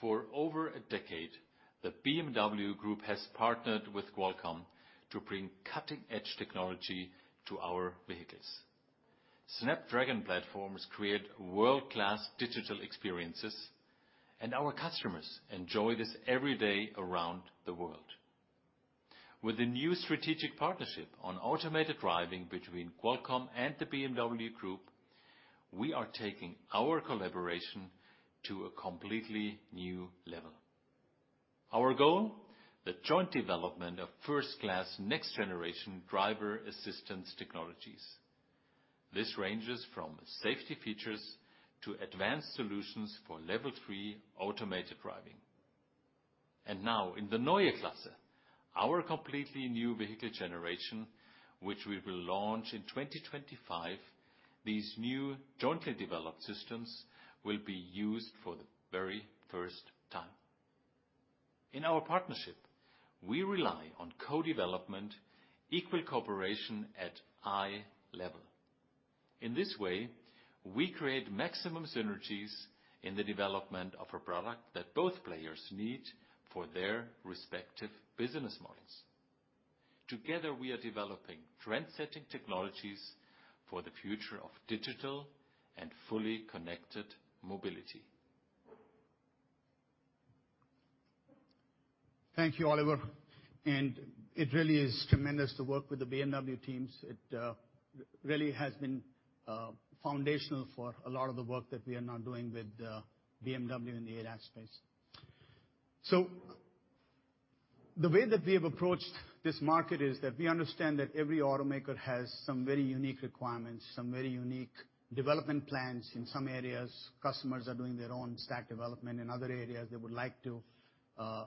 For over a decade, the BMW Group has partnered with Qualcomm to bring cutting-edge technology to our vehicles. Snapdragon platforms create world-class digital experiences, and our customers enjoy this every day around the world. With the new strategic partnership on automated driving between Qualcomm and the BMW Group, we are taking our collaboration to a completely new level. Our goal, the joint development of first-class next-generation driver assistance technologies. This ranges from safety features to advanced solutions for level three automated driving. Now in the Neue Klasse, our completely new vehicle generation, which we will launch in 2025, these new jointly developed systems will be used for the very first time. In our partnership, we rely on co-development, equal cooperation at eye level. In this way, we create maximum synergies in the development of a product that both players need for their respective business models. Together, we are developing trend-setting technologies for the future of digital and fully connected mobility. Thank you, Oliver. It really is tremendous to work with the BMW teams. It really has been foundational for a lot of the work that we are now doing with BMW in the ADAS space. The way that we have approached this market is that we understand that every automaker has some very unique requirements, some very unique development plans. In some areas, customers are doing their own stack development. In other areas, they would like to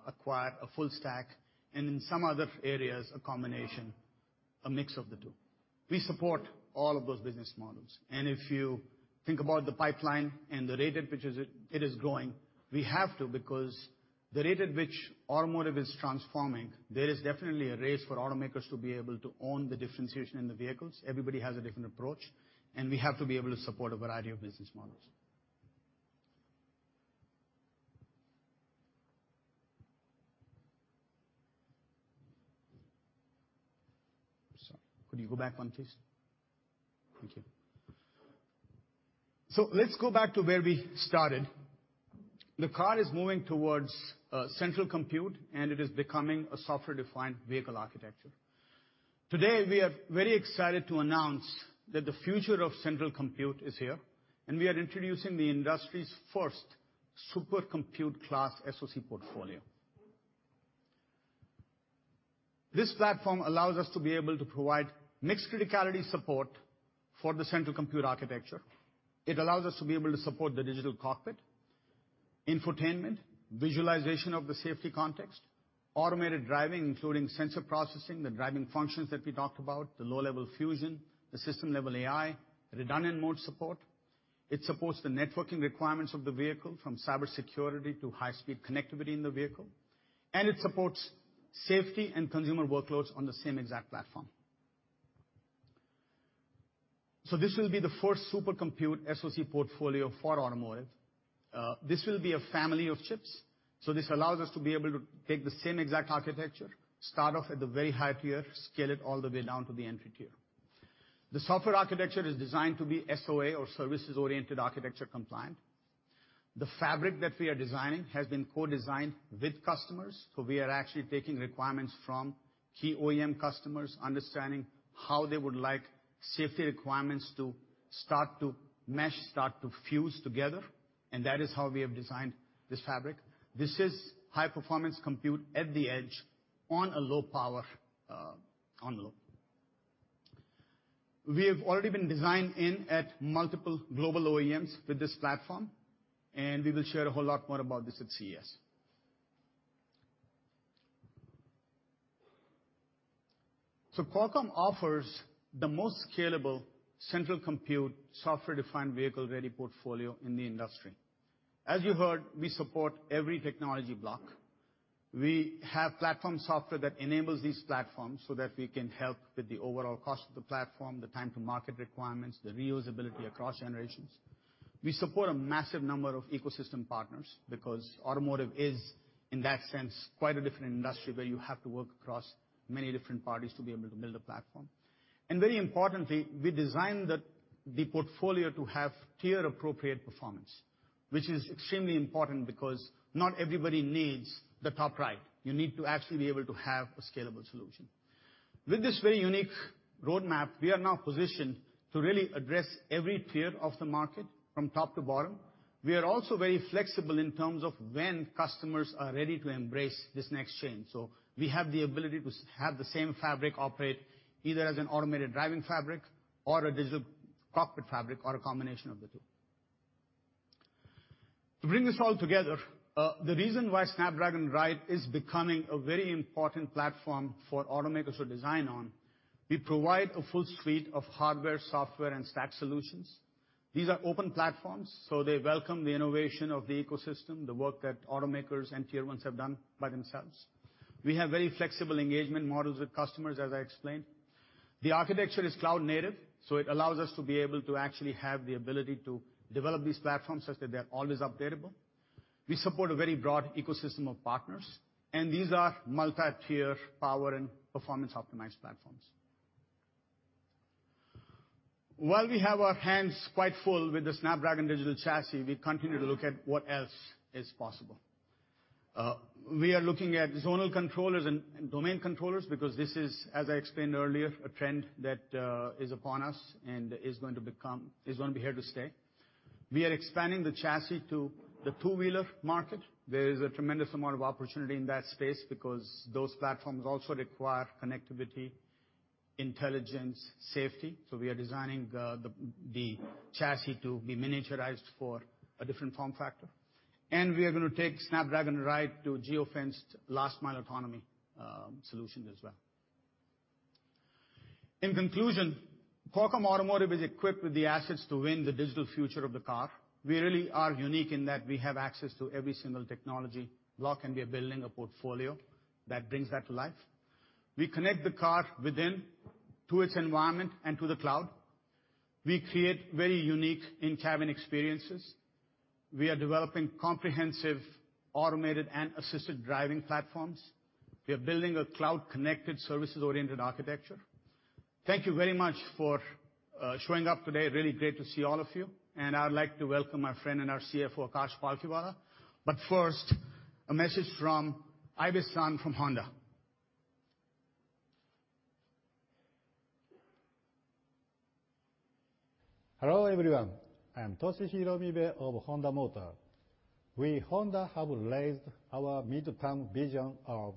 acquire a full stack. And in some other areas, a combination, a mix of the two. We support all of those business models. If you think about the pipeline and the rate at which it is growing, we have to because the rate at which automotive is transforming, there is definitely a race for automakers to be able to own the differentiation in the vehicles. Everybody has a different approach, and we have to be able to support a variety of business models. Sorry, could you go back one, please? Thank you. Let's go back to where we started. The car is moving towards central compute, and it is becoming a software-defined vehicle architecture. Today, we are very excited to announce that the future of central compute is here, and we are introducing the industry's first super compute class SoC portfolio. This platform allows us to be able to provide mixed criticality support for the central compute architecture. It allows us to be able to support the digital cockpit, infotainment, visualization of the safety context, automated driving, including sensor processing, the driving functions that we talked about, the low-level fusion, the system-level AI, redundant mode support. It supports the networking requirements of the vehicle from cybersecurity to high-speed connectivity in the vehicle, and it supports safety and consumer workloads on the same exact platform. This will be the first super compute SoC portfolio for automotive. This will be a family of chips. This allows us to be able to take the same exact architecture, start off at the very high tier, scale it all the way down to the entry tier. The software architecture is designed to be SOA or services-oriented architecture compliant. The fabric that we are designing has been co-designed with customers, so we are actually taking requirements from key OEM customers, understanding how they would like safety requirements to start to mesh, start to fuse together, and that is how we have designed this fabric. This is high-performance compute at the edge on a low power, on low. We have already been designed in at multiple global OEMs with this platform, and we will share a whole lot more about this at CES. Qualcomm offers the most scalable central compute software-defined vehicle-ready portfolio in the industry. As you heard, we support every technology block. We have platform software that enables these platforms so that we can help with the overall cost of the platform, the time to market requirements, the reusability across generations. We support a massive number of ecosystem partners because automotive is, in that sense, quite a different industry where you have to work across many different parties to be able to build a platform. Very importantly, we design the portfolio to have tier-appropriate performance, which is extremely important because not everybody needs the top right. You need to actually be able to have a scalable solution. With this very unique roadmap, we are now positioned to really address every tier of the market from top to bottom. We are also very flexible in terms of when customers are ready to embrace this next change. We have the ability to have the same fabric operate either as an automated driving fabric or a digital cockpit fabric or a combination of the two. To bring this all together, the reason why Snapdragon Ride is becoming a very important platform for automakers to design on, we provide a full suite of hardware, software, and stack solutions. These are open platforms, so they welcome the innovation of the ecosystem, the work that automakers and tier ones have done by themselves. We have very flexible engagement models with customers, as I explained. The architecture is cloud native, so it allows us to be able to actually have the ability to develop these platforms such that they are always updatable. We support a very broad ecosystem of partners, and these are multi-tier power and performance optimized platforms. While we have our hands quite full with the Snapdragon Digital Chassis, we continue to look at what else is possible. We are looking at zonal controllers and domain controllers because this is, as I explained earlier, a trend that is upon us and is going to be here to stay. We are expanding the chassis to the two-wheeler market. There is a tremendous amount of opportunity in that space because those platforms also require connectivity, intelligence, safety. We are designing the chassis to be miniaturized for a different form factor. We are gonna take Snapdragon Ride to geofenced last-mile autonomy solution as well. In conclusion, Qualcomm Automotive is equipped with the assets to win the digital future of the car. We really are unique in that we have access to every single technology block, and we are building a portfolio that brings that to life. We connect the car within to its environment and to the cloud. We create very unique in-cabin experiences. We are developing comprehensive automated and assisted driving platforms. We are building a cloud connected services-oriented architecture. Thank you very much for showing up today. Really great to see all of you. I'd like to welcome my friend and our CFO, Akash Palkhiwala. First, a message from Mibe-san from Honda. Hello, everyone. I'm Toshihiro Mibe of Honda Motor. We, Honda, have raised our midterm vision of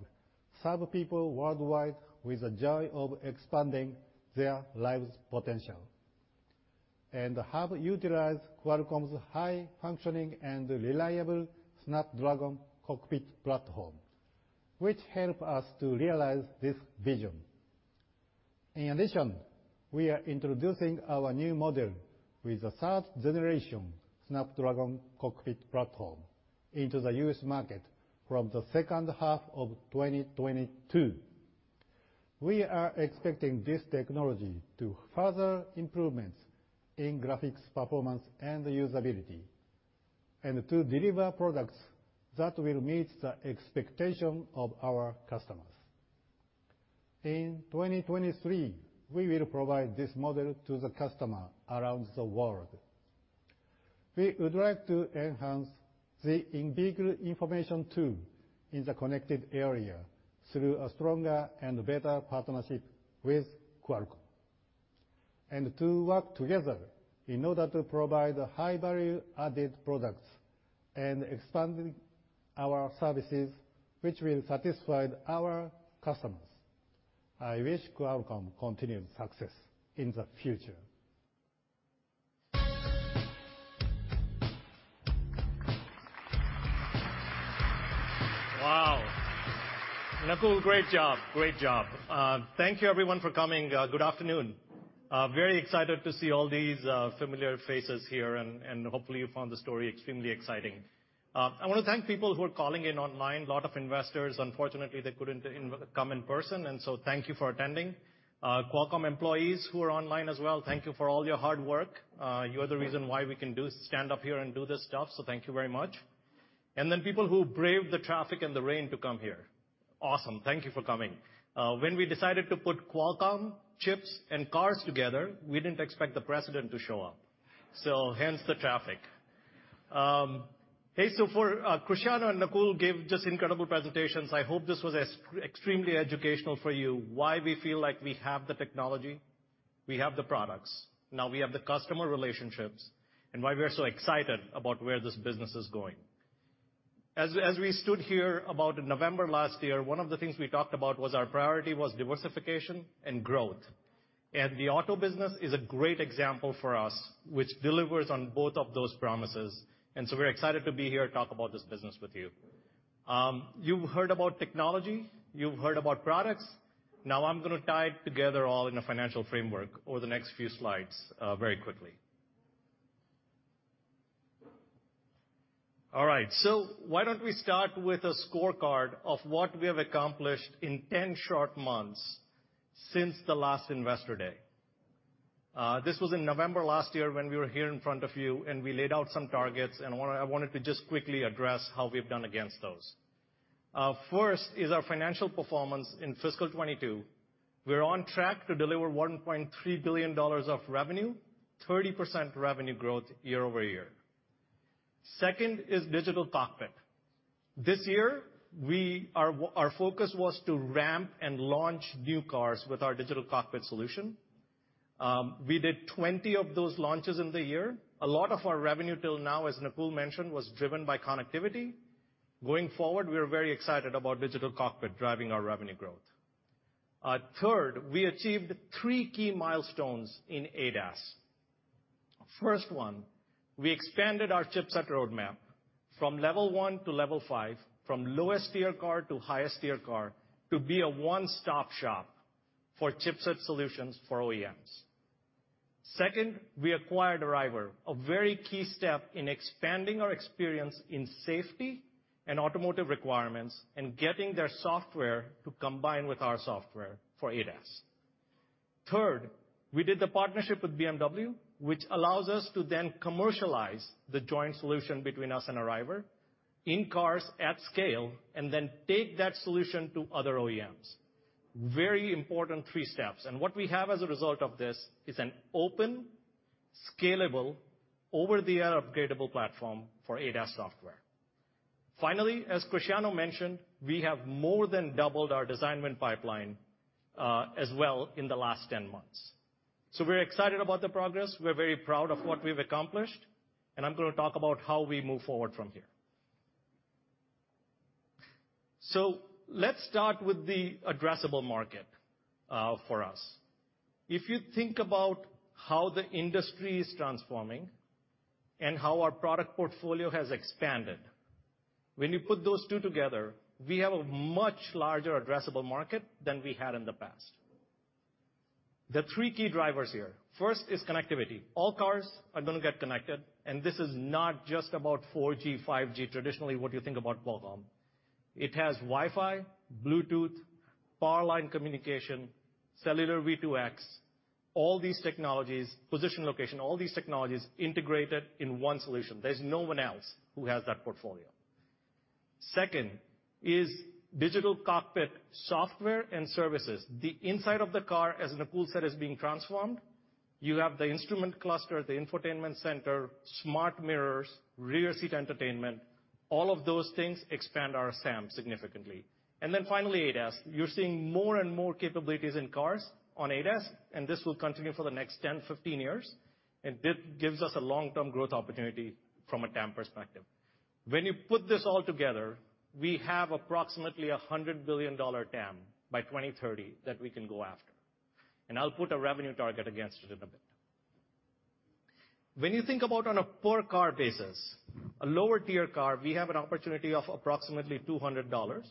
serve people worldwide with the joy of expanding their lives' potential, and have utilized Qualcomm's high-functioning and reliable Snapdragon Cockpit Platform, which help us to realize this vision. In addition, we are introducing our new model with the third-generation Snapdragon Cockpit Platform into the U.S. market from the second half of 2022. We are expecting this technology to further improvements in graphics performance and usability, and to deliver products that will meet the expectation of our customers. In 2023, we will provide this model to the customer around the world. We would like to enhance the in-vehicle information tool in the connected area through a stronger and better partnership with Qualcomm, and to work together in order to provide high-value added products and expanding our services which will satisfied our customers. I wish Qualcomm continued success in the future. Wow. Nakul, great job. Thank you everyone for coming. Good afternoon. Very excited to see all these familiar faces here and hopefully you found the story extremely exciting. I wanna thank people who are calling in online, lot of investors. Unfortunately, they couldn't come in person, and so thank you for attending. Qualcomm employees who are online as well, thank you for all your hard work. You are the reason why we can stand up here and do this stuff, so thank you very much. People who braved the traffic and the rain to come here, awesome. Thank you for coming. When we decided to put Qualcomm chips in cars together, we didn't expect the President to show up, so hence the traffic. Cristiano and Nakul gave just incredible presentations. I hope this was extremely educational for you, why we feel like we have the technology, we have the products, now we have the customer relationships, and why we're so excited about where this business is going. As we stood here about November last year, one of the things we talked about was our priority was diversification and growth. The auto business is a great example for us, which delivers on both of those promises. We're excited to be here to talk about this business with you. You've heard about technology. You've heard about products. Now I'm gonna tie it together all in a financial framework over the next few slides, very quickly. All right. Why don't we start with a scorecard of what we have accomplished in 10 short months since the last Investor Day? This was in November last year when we were here in front of you, and we laid out some targets, and I wanted to just quickly address how we've done against those. First is our financial performance in fiscal 2022. We're on track to deliver $1.3 billion of revenue, 30% revenue growth year-ove-year. Second is Digital Cockpit. This year our focus was to ramp and launch new cars with our Digital Cockpit solution. We did 20 of those launches in the year. A lot of our revenue till now, as Nakul mentioned, was driven by connectivity. Going forward, we are very excited about Digital Cockpit driving our revenue growth. Third, we achieved three key milestones in ADAS. First one, we expanded our chipset roadmap from level one to level five, from lowest tier car to highest tier car, to be a one-stop shop for chipset solutions for OEMs. Second, we acquired Arriver, a very key step in expanding our experience in safety and automotive requirements, and getting their software to combine with our software for ADAS. Third, we did the partnership with BMW, which allows us to then commercialize the joint solution between us and Arriver in cars at scale, and then take that solution to other OEMs. Very important three steps. What we have as a result of this is an open, scalable, over-the-air upgradeable platform for ADAS software. Finally, as Cristiano mentioned, we have more than doubled our design win pipeline, as well in the last 10 months. We're excited about the progress. We're very proud of what we've accomplished, and I'm gonna talk about how we move forward from here. Let's start with the addressable market, for us. If you think about how the industry is transforming and how our product portfolio has expanded, when you put those two together, we have a much larger addressable market than we had in the past. There are three key drivers here. First is connectivity. All cars are gonna get connected, and this is not just about 4G, 5G, traditionally what you think about Qualcomm. It has Wi-Fi, Bluetooth, powerline communication, cellular V2X. All these technologies, position, location, all these technologies integrated in one solution. There's no one else who has that portfolio. Second is Digital Cockpit software and services. The inside of the car, as Nakul said, is being transformed. You have the instrument cluster, the infotainment center, smart mirrors, rear seat entertainment. All of those things expand our SAM significantly. Finally, ADAS. You're seeing more and more capabilities in cars on ADAS, and this will continue for the next 10, 15 years. This gives us a long-term growth opportunity from a TAM perspective. When you put this all together, we have approximately $100 billion TAM by 2030 that we can go after. I'll put a revenue target against it in a bit. When you think about on a per-car basis, a lower-tier car, we have an opportunity of approximately $200,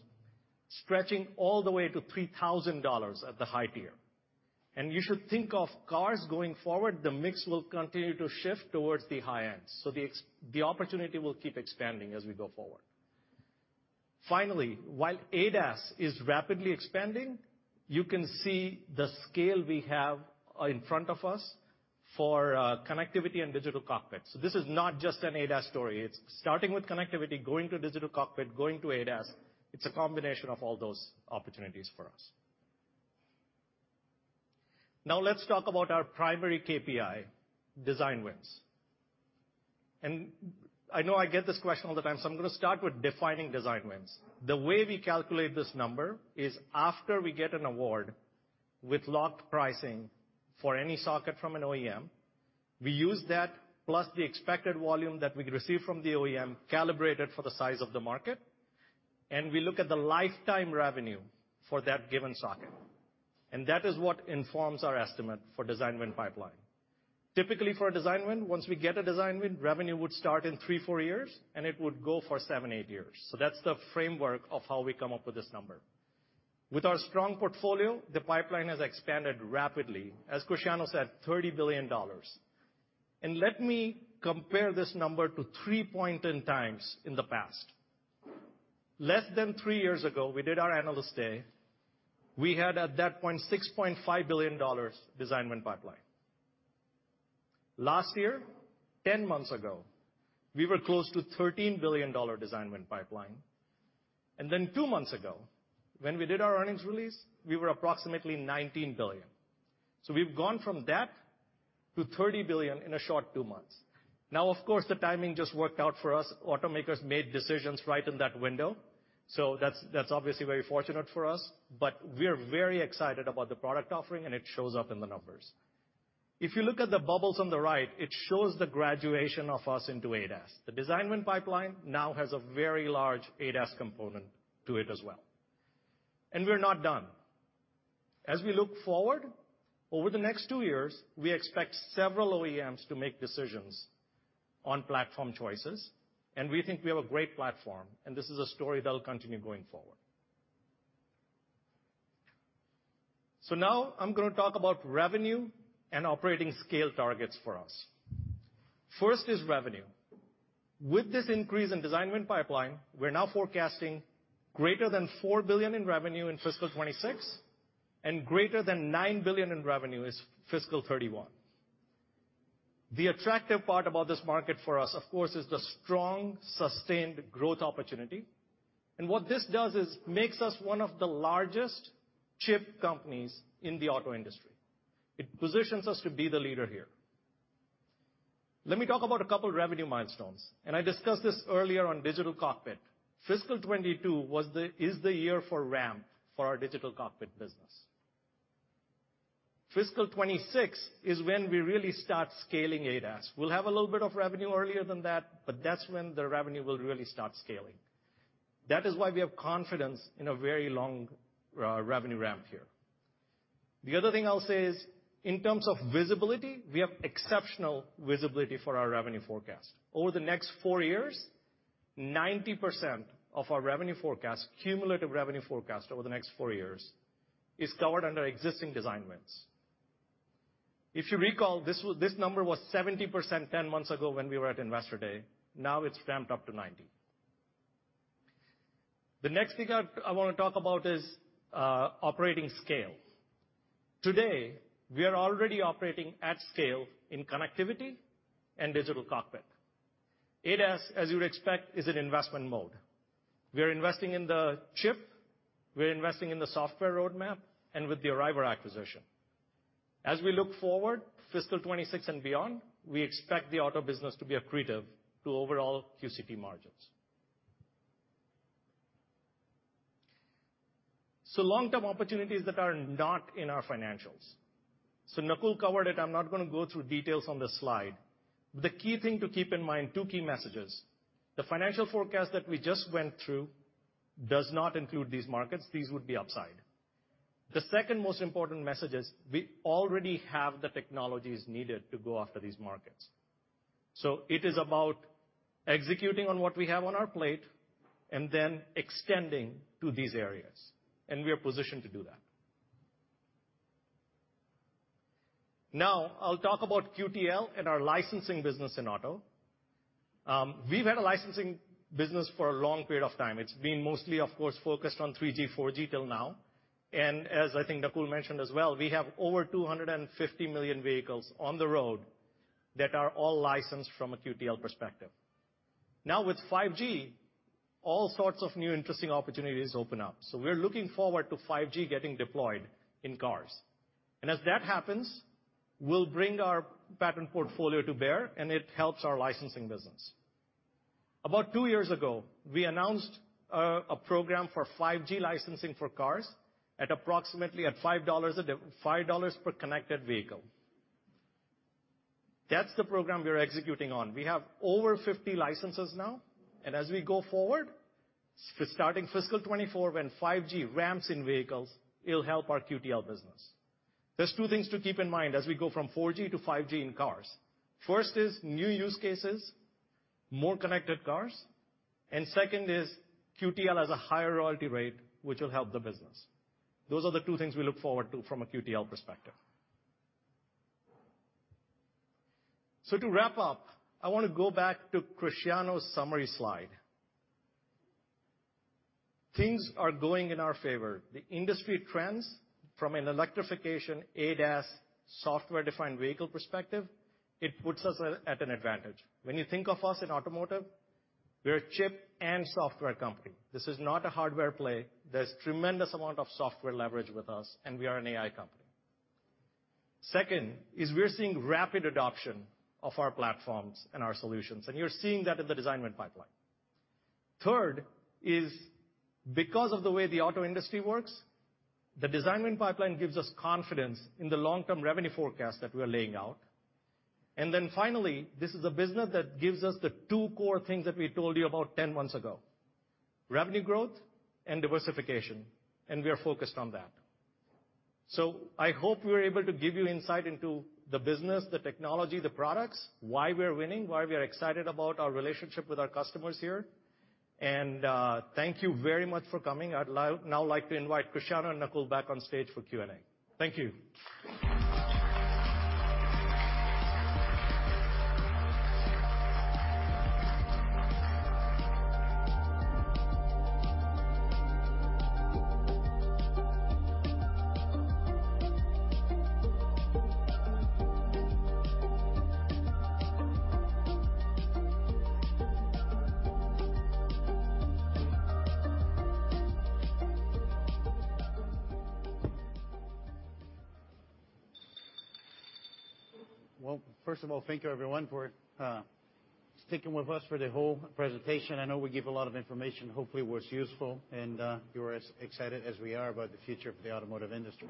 stretching all the way to $3,000 at the high tier. You should think of cars going forward, the mix will continue to shift towards the high end. The opportunity will keep expanding as we go forward. Finally, while ADAS is rapidly expanding, you can see the scale we have in front of us for connectivity and digital cockpit. This is not just an ADAS story. It's starting with connectivity, going to digital cockpit, going to ADAS. It's a combination of all those opportunities for us. Now let's talk about our primary KPI, design wins. I know I get this question all the time, so I'm gonna start with defining design wins. The way we calculate this number is after we get an award with locked pricing for any socket from an OEM, we use that plus the expected volume that we receive from the OEM, calibrate it for the size of the market, and we look at the lifetime revenue for that given socket. That is what informs our estimate for design win pipeline. Typically, for a design win, once we get a design win, revenue would start in three to four years, and it would go for seven to eight years. That's the framework of how we come up with this number. With our strong portfolio, the pipeline has expanded rapidly, as Cristiano said, $30 billion. Let me compare this number to 4.6 times in the past. Less than three years ago, we did our Analyst Day, we had at that point $6.5 billion design win pipeline. Last year, 10 months ago, we were close to $13 billion dollar design win pipeline. Then two months ago, when we did our earnings release, we were approximately $19 billion. We've gone from that to $30 billion in a short two months. Now, of course, the timing just worked out for us. Automakers made decisions right in that window, so that's obviously very fortunate for us. We're very excited about the product offering and it shows up in the numbers. If you look at the bubbles on the right, it shows the graduation of us into ADAS. The design win pipeline now has a very large ADAS component to it as well. We're not done. As we look forward, over the next two years, we expect several OEMs to make decisions on platform choices, and we think we have a great platform, and this is a story that'll continue going forward. Now I'm gonna talk about revenue and operating scale targets for us. First is revenue. With this increase in design win pipeline, we're now forecasting greater than $4 billion in revenue in fiscal 2026, and greater than $9 billion in revenue in fiscal 2031. The attractive part about this market for us, of course, is the strong, sustained growth opportunity. What this does is makes us one of the largest chip companies in the auto industry. It positions us to be the leader here. Let me talk about a couple revenue milestones, and I discussed this earlier on Digital Cockpit. Fiscal 2022 is the year for ramp for our Digital Cockpit business. Fiscal 2026 is when we really start scaling ADAS. We'll have a little bit of revenue earlier than that, but that's when the revenue will really start scaling. That is why we have confidence in a very long revenue ramp here. The other thing I'll say is, in terms of visibility, we have exceptional visibility for our revenue forecast. Over the next four years, 90% of our revenue forecast, cumulative revenue forecast over the next four years, is covered under existing design wins. If you recall, this number was 70% 10 months ago when we were at Investor Day. Now it's ramped up to 90%. The next thing I wanna talk about is operating scale. Today, we are already operating at scale in connectivity and digital cockpit. ADAS, as you'd expect, is in investment mode. We are investing in the chip, we're investing in the software roadmap, and with the Arriver acquisition. As we look forward, fiscal 2026 and beyond, we expect the auto business to be accretive to overall QCT margins. Long-term opportunities that are not in our financials. Nakul covered it, I'm not gonna go through details on this slide. The key thing to keep in mind, two key messages. The financial forecast that we just went through does not include these markets. These would be upside. The second most important message is we already have the technologies needed to go after these markets. It is about executing on what we have on our plate and then extending to these areas, and we are positioned to do that. Now, I'll talk about QTL and our licensing business in auto. We've had a licensing business for a long period of time. It's been mostly, of course, focused on 3G, 4G till now. As I think Nakul mentioned as well, we have over 250 million vehicles on the road that are all licensed from a QTL perspective. Now with 5G, all sorts of new interesting opportunities open up. We're looking forward to 5G getting deployed in cars. As that happens, we'll bring our patent portfolio to bear, and it helps our licensing business. About two years ago, we announced a program for 5G licensing for cars at approximately $5 per connected vehicle. That's the program we are executing on. We have over 50 licenses now, and as we go forward, starting fiscal 2024 when 5G ramps in vehicles, it'll help our QTL business. There's two things to keep in mind as we go from 4G-5G in cars. First is new use cases, more connected cars, and second is QTL has a higher royalty rate, which will help the business. Those are the two things we look forward to from a QTL perspective. To wrap up, I wanna go back to Cristiano's summary slide. Things are going in our favor. The industry trends from an electrification ADAS software-defined vehicle perspective, it puts us at an advantage. When you think of us in automotive, we're a chip and software company. This is not a hardware play. There's tremendous amount of software leverage with us, and we are an AI company. Second is we're seeing rapid adoption of our platforms and our solutions, and you're seeing that in the design win pipeline. Third is because of the way the auto industry works, the design win pipeline gives us confidence in the long-term revenue forecast that we are laying out. Then finally, this is a business that gives us the two core things that we told you about 10 months ago, revenue growth and diversification, and we are focused on that. I hope we were able to give you insight into the business, the technology, the products, why we're winning, why we are excited about our relationship with our customers here. Thank you very much for coming. Now like to invite Cristiano and Nakul back on stage for Q&A. Thank you. Well, first of all, thank you everyone for sticking with us for the whole presentation. I know we give a lot of information. Hopefully it was useful, and you're as excited as we are about the future of the automotive industry.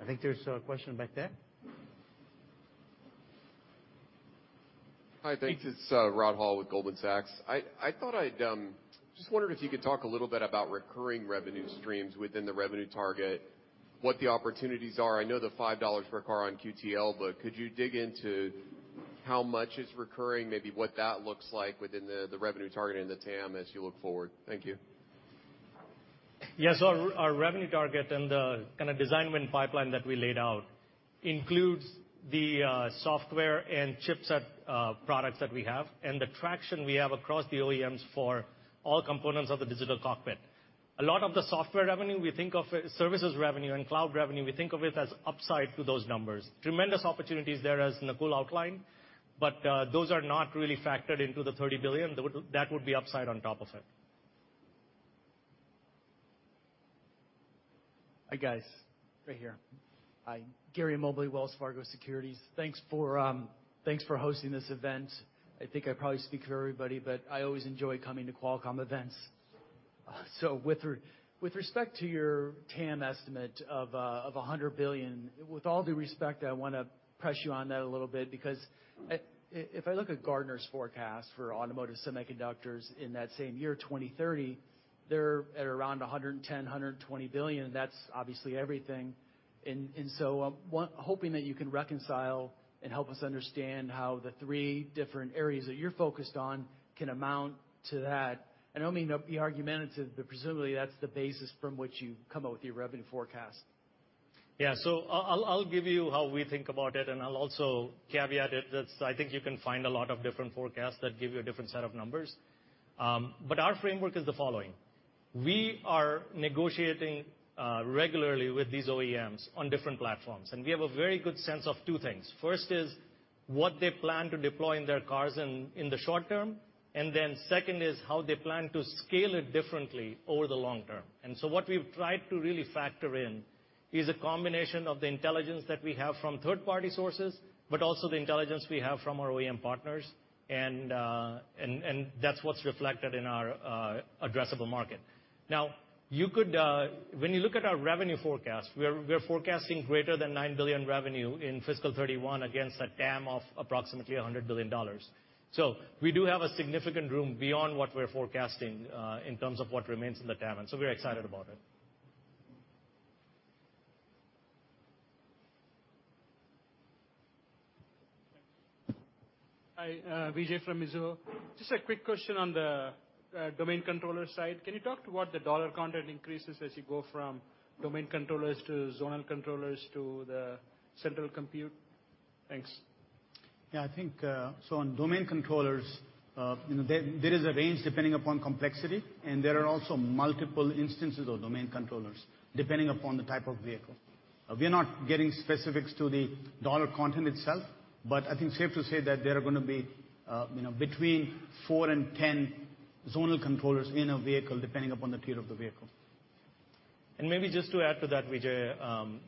I think there's a question back there. Hi. Thanks. It's Rod Hall with Goldman Sachs. I just wondered if you could talk a little bit about recurring revenue streams within the revenue target, what the opportunities are. I know the $5 per car on QTL, but could you dig into how much is recurring, maybe what that looks like within the revenue target and the TAM as you look forward? Thank you. Yeah. Our revenue target and the kinda design win pipeline that we laid out includes the software and chipset products that we have and the traction we have across the OEMs for all components of the digital cockpit. A lot of the software revenue, we think of services revenue and cloud revenue, we think of it as upside to those numbers. Tremendous opportunities there as Nakul outlined, but those are not really factored into the $30 billion. That would be upside on top of it. Hi, guys. Right here. Hi. Gary Mobley, Wells Fargo Securities. Thanks for hosting this event. I think I probably speak for everybody, but I always enjoy coming to Qualcomm events. With respect to your TAM estimate of $100 billion, with all due respect, I wanna press you on that a little bit because if I look at Gartner's forecast for automotive semiconductors in that same year, 2030, they're at around $110-$120 billion. That's obviously everything. Hoping that you can reconcile and help us understand how the three different areas that you're focused on can amount to that. I don't mean to be argumentative, but presumably that's the basis from which you come up with your revenue forecast. I'll give you how we think about it, and I'll also caveat it that I think you can find a lot of different forecasts that give you a different set of numbers. Our framework is the following: We are negotiating regularly with these OEMs on different platforms, and we have a very good sense of two things. First is what they plan to deploy in their cars in the short-term, and then second is how they plan to scale it differently over the long-term. What we've tried to really factor in is a combination of the intelligence that we have from third-party sources but also the intelligence we have from our OEM partners, and that's what's reflected in our addressable market. Now you could... When you look at our revenue forecast, we are forecasting greater than $9 billion revenue in fiscal 2031 against a TAM of approximately $100 billion. We do have a significant room beyond what we're forecasting in terms of what remains in the TAM. We're excited about it. Hi, Vijay from Mizuho. Just a quick question on the domain controller side. Can you talk to what the dollar content increases as you go from domain controllers to zonal controllers to the central compute? Thanks. Yeah. I think on domain controllers, you know, there is a range depending upon complexity, and there are also multiple instances of domain controllers depending upon the type of vehicle. We're not getting specifics to the dollar content itself, but I think safe to say that there are gonna be, you know, between four and 10 zonal controllers in a vehicle depending upon the tier of the vehicle. Maybe just to add to that, Vijay,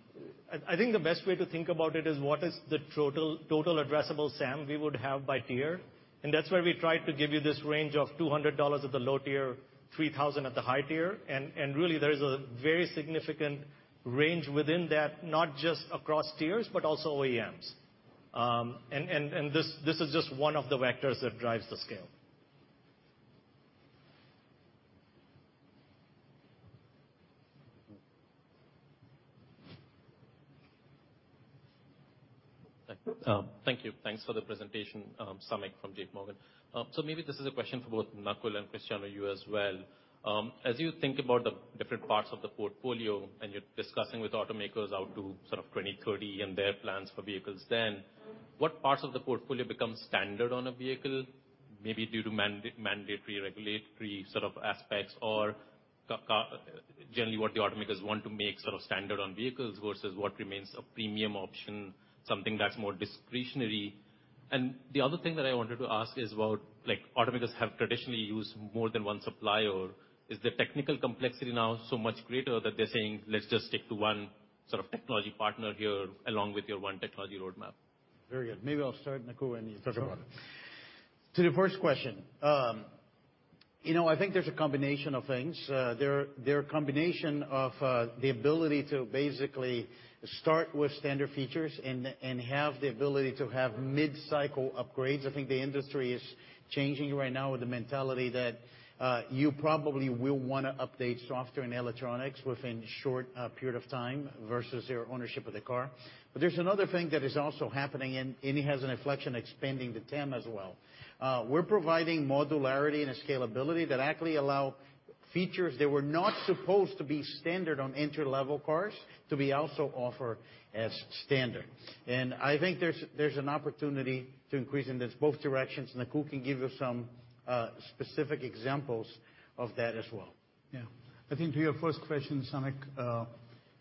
I think the best way to think about it is what is the total addressable SAM we would have by tier. And that's why we tried to give you this range of $200 at the low tier, $3,000 at the high tier. And really there is a very significant range within that, not just across tiers, but also OEMs. This is just one of the vectors that drives the scale. Thank you. Thanks for the presentation, Samik from JP Morgan. So maybe this is a question for both Nakul and Cristiano, you as well. As you think about the different parts of the portfolio and you're discussing with automakers out to sort of 2030 and their plans for vehicles then, what parts of the portfolio become standard on a vehicle maybe due to mandatory regulatory sort of aspects or car, generally what the automakers want to make sort of standard on vehicles versus what remains a premium option, something that's more discretionary? The other thing that I wanted to ask is about like automakers have traditionally used more than one supplier. Is the technical complexity now so much greater that they're saying, "Let's just stick to one sort of technology partner here along with your one technology roadmap? Very good. Maybe I'll start, Nakul, and you talk about it. Sure. To the first question, you know, I think there's a combination of things. There's a combination of the ability to basically start with standard features and have the ability to have mid-cycle upgrades. I think the industry is changing right now with the mentality that you probably will wanna update software and electronics within a short period of time versus your ownership of the car. There's another thing that is also happening, and it has an inflection expanding the TAM as well. We're providing modularity and scalability that actually allow features that were not supposed to be standard on entry-level cars to be also offered as standard. I think there's an opportunity to increase in this both directions, and Nakul can give you some specific examples of that as well. Yeah. I think to your first question, Samik,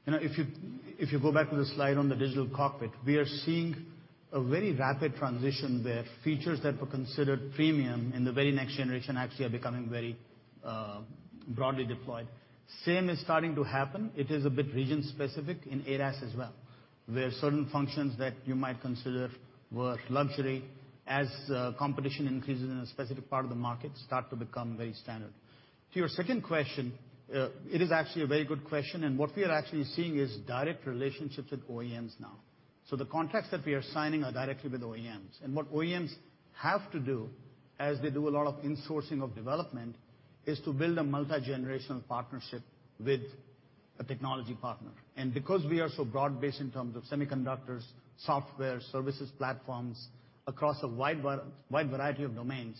you know, if you go back to the slide on the digital cockpit, we are seeing a very rapid transition there. Features that were considered premium in the very next generation actually are becoming very broadly deployed. Same is starting to happen, it is a bit region specific, in ADAS as well, where certain functions that you might consider were luxury, as competition increases in a specific part of the market, start to become very standard. To your second question, it is actually a very good question, and what we are actually seeing is direct relationships with OEMs now. So the contracts that we are signing are directly with OEMs. What OEMs have to do as they do a lot of insourcing of development is to build a multi-generational partnership with a technology partner. Because we are so broad-based in terms of semiconductors, software, services platforms across a wide variety of domains,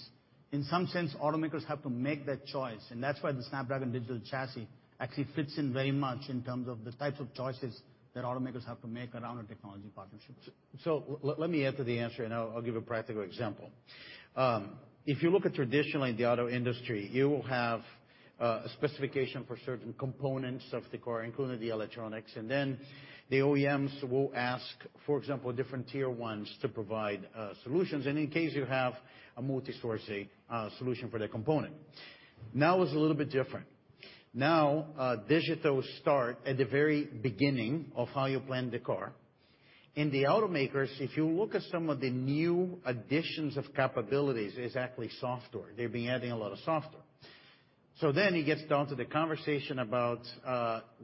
in some sense, automakers have to make that choice, and that's why the Snapdragon Digital Chassis actually fits in very much in terms of the types of choices that automakers have to make around a technology partnership. Let me add to the answer, and I'll give a practical example. If you look at the traditional auto industry, you will have a specification for certain components of the car, including the electronics, and then the OEMs will ask, for example, different Tier 1s to provide solutions, and in case you have a multi-sourcing solution for the component. Now it's a little bit different. Now, digital start at the very beginning of how you plan the car. In the automakers, if you look at some of the new additions of capabilities is actually software. They've been adding a lot of software. It gets down to the conversation about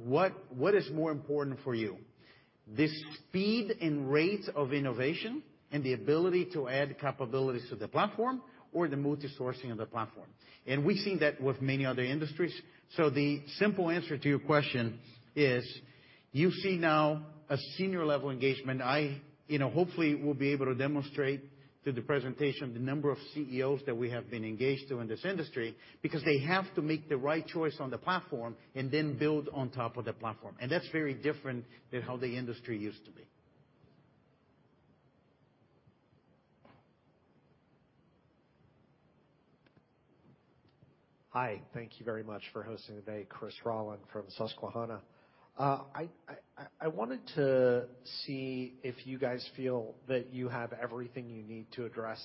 what is more important for you: the speed and rate of innovation and the ability to add capabilities to the platform or the multi-sourcing of the platform? We've seen that with many other industries. The simple answer to your question is you see now a senior level engagement. I, you know, hopefully will be able to demonstrate through the presentation the number of CEOs that we have been engaged to in this industry, because they have to make the right choice on the platform and then build on top of the platform. That's very different than how the industry used to be. Hi. Thank you very much for hosting today. Chris Rolland from Susquehanna. I wanted to see if you guys feel that you have everything you need to address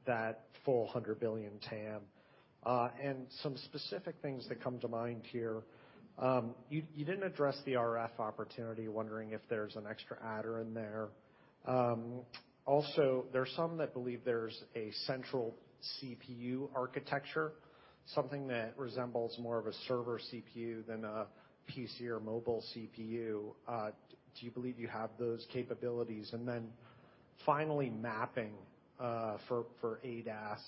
that full 100 billion TAM. And some specific things that come to mind here. You didn't address the RF opportunity. Wondering if there's an extra adder in there. Also, there are some that believe there's a central CPU architecture, something that resembles more of a server CPU than a PC or mobile CPU. Do you believe you have those capabilities? And then finally, mapping for ADAS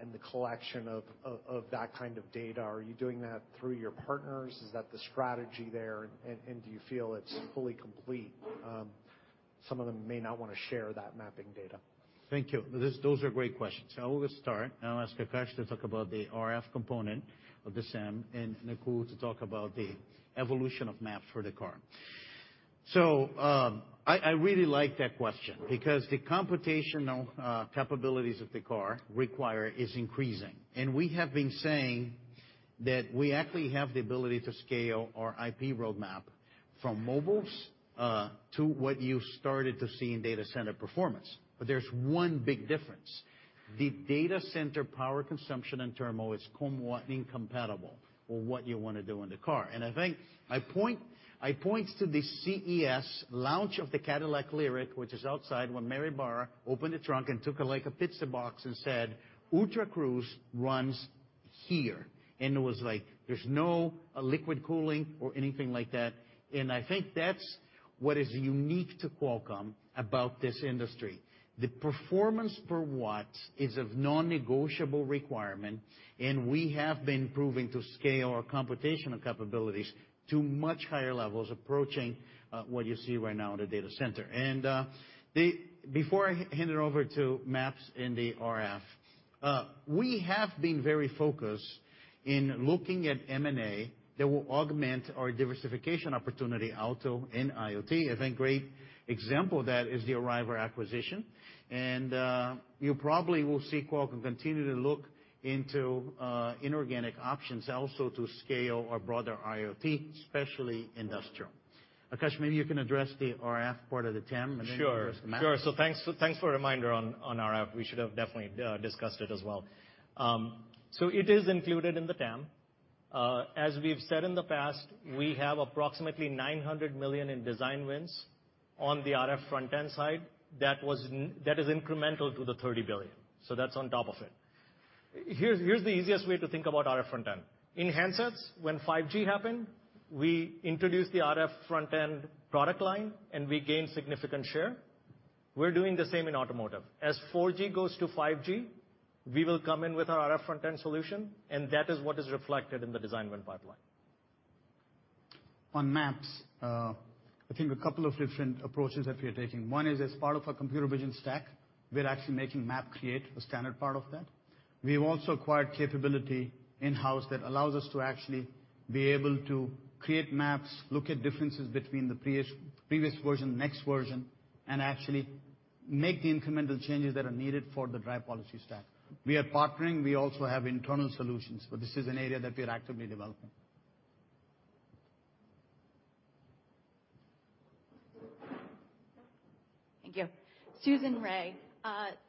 and the collection of that kind of data. Are you doing that through your partners? Is that the strategy there? And do you feel it's fully complete? Some of them may not wanna share that mapping data. Thank you. Those are great questions. I will start, and I'll ask Akash to talk about the RF component of the SAM and Nakul to talk about the evolution of maps for the car. I really like that question because the computational requirements of the car are increasing, and we have been saying that we actually have the ability to scale our IP roadmap from mobiles to what you started to see in data center performance. There's one big difference. The data center power consumption and thermal is completely incompatible with what you wanna do in the car. I think I point to the CES launch of the Cadillac LYRIQ, which is outside, when Mary Barra opened the trunk and took it like a pizza box and said, "Ultra Cruise runs here." It was like there's no liquid cooling or anything like that. I think that's what is unique to Qualcomm about this industry. The performance per watt is a non-negotiable requirement, and we have been proving to scale our computational capabilities to much higher levels, approaching what you see right now in a data center. Before I hand it over to maps and the RF, we have been very focused in looking at M&A that will augment our diversification opportunity, auto and IoT. I think great example of that is the Arriver acquisition. You probably will see Qualcomm continue to look into inorganic options also to scale our broader IoT, especially industrial. Akash, maybe you can address the RF part of the TAM, and then- Sure. Address the map. Sure. Thanks for reminder on RF. We should have definitely discussed it as well. It is included in the TAM. As we've said in the past, we have approximately $900 million in design wins on the RF front-end side that is incremental to the $30 billion. That's on top of it. Here's the easiest way to think about RF front-end. In handsets, when 5G happened, we introduced the RF front-end product line, and we gained significant share. We're doing the same in automotive. As 4G goes to 5G, we will come in with our RF front-end solution, and that is what is reflected in the design win pipeline. On maps, I think a couple of different approaches that we are taking. One is as part of a computer vision stack, we're actually making MapCreate a standard part of that. We've also acquired capability in-house that allows us to actually be able to create maps, look at differences between the previous version, next version, and actually make the incremental changes that are needed for the drive policy stack. We are partnering. We also have internal solutions, but this is an area that we are actively developing. Thank you. Susan Ray.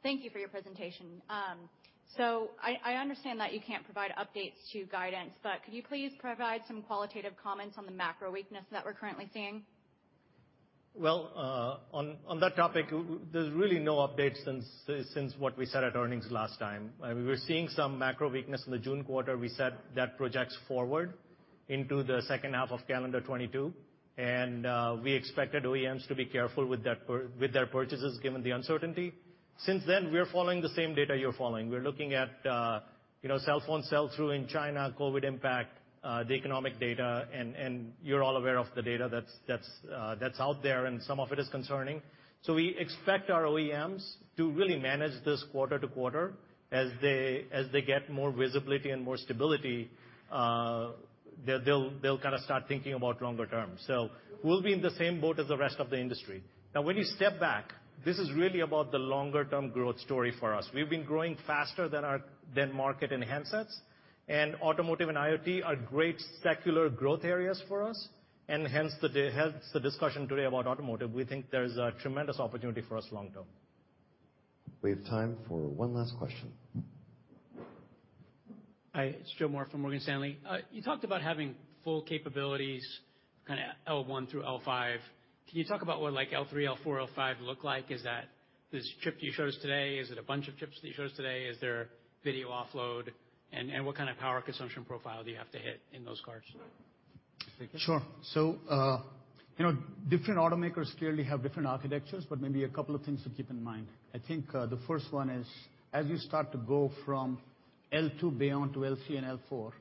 Thank you for your presentation. I understand that you can't provide updates to guidance, but could you please provide some qualitative comments on the macro weakness that we're currently seeing? Well, on that topic, there's really no updates since what we said at earnings last time. We were seeing some macro weakness in the June quarter. We said that projects forward into the second half of calendar 2022. We expected OEMs to be careful with their purchases given the uncertainty. Since then, we're following the same data you're following. We're looking at, you know, cell phone sell-through in China, COVID impact, the economic data, and you're all aware of the data that's out there, and some of it is concerning. We expect our OEMs to really manage this quarter to quarter. As they get more visibility and more stability, they'll kinda start thinking about longer-term. We'll be in the same boat as the rest of the industry. Now, when you step back, this is really about the longer-term growth story for us. We've been growing faster than market and handsets, and automotive and IoT are great secular growth areas for us, and hence the discussion today about automotive. We think there's a tremendous opportunity for us long-term. We have time for one last question. Hi, it's Joe Moore from Morgan Stanley. You talked about having full capabilities kinda L one through L five. Can you talk about what, like, L3, L4, L5 look like? Is that this chip you showed us today? Is it a bunch of chips that you showed us today? Is there video offload? And what kind of power consumption profile do you have to hit in those cars? Sure. You know, different automakers clearly have different architectures, but maybe a couple of things to keep in mind. I think, the first one is, as you start to go from L2 beyond to L3 and L4,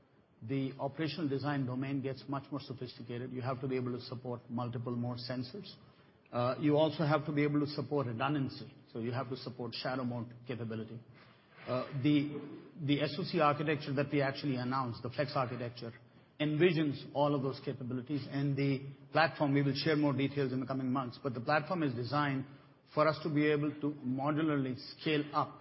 the operational design domain gets much more sophisticated. You have to be able to support multiple more sensors. You also have to be able to support redundancy, so you have to support shadow mode capability. The SoC architecture that we actually announced, the flex architecture, envisions all of those capabilities. The platform, we will share more details in the coming months, but the platform is designed for us to be able to modularly scale up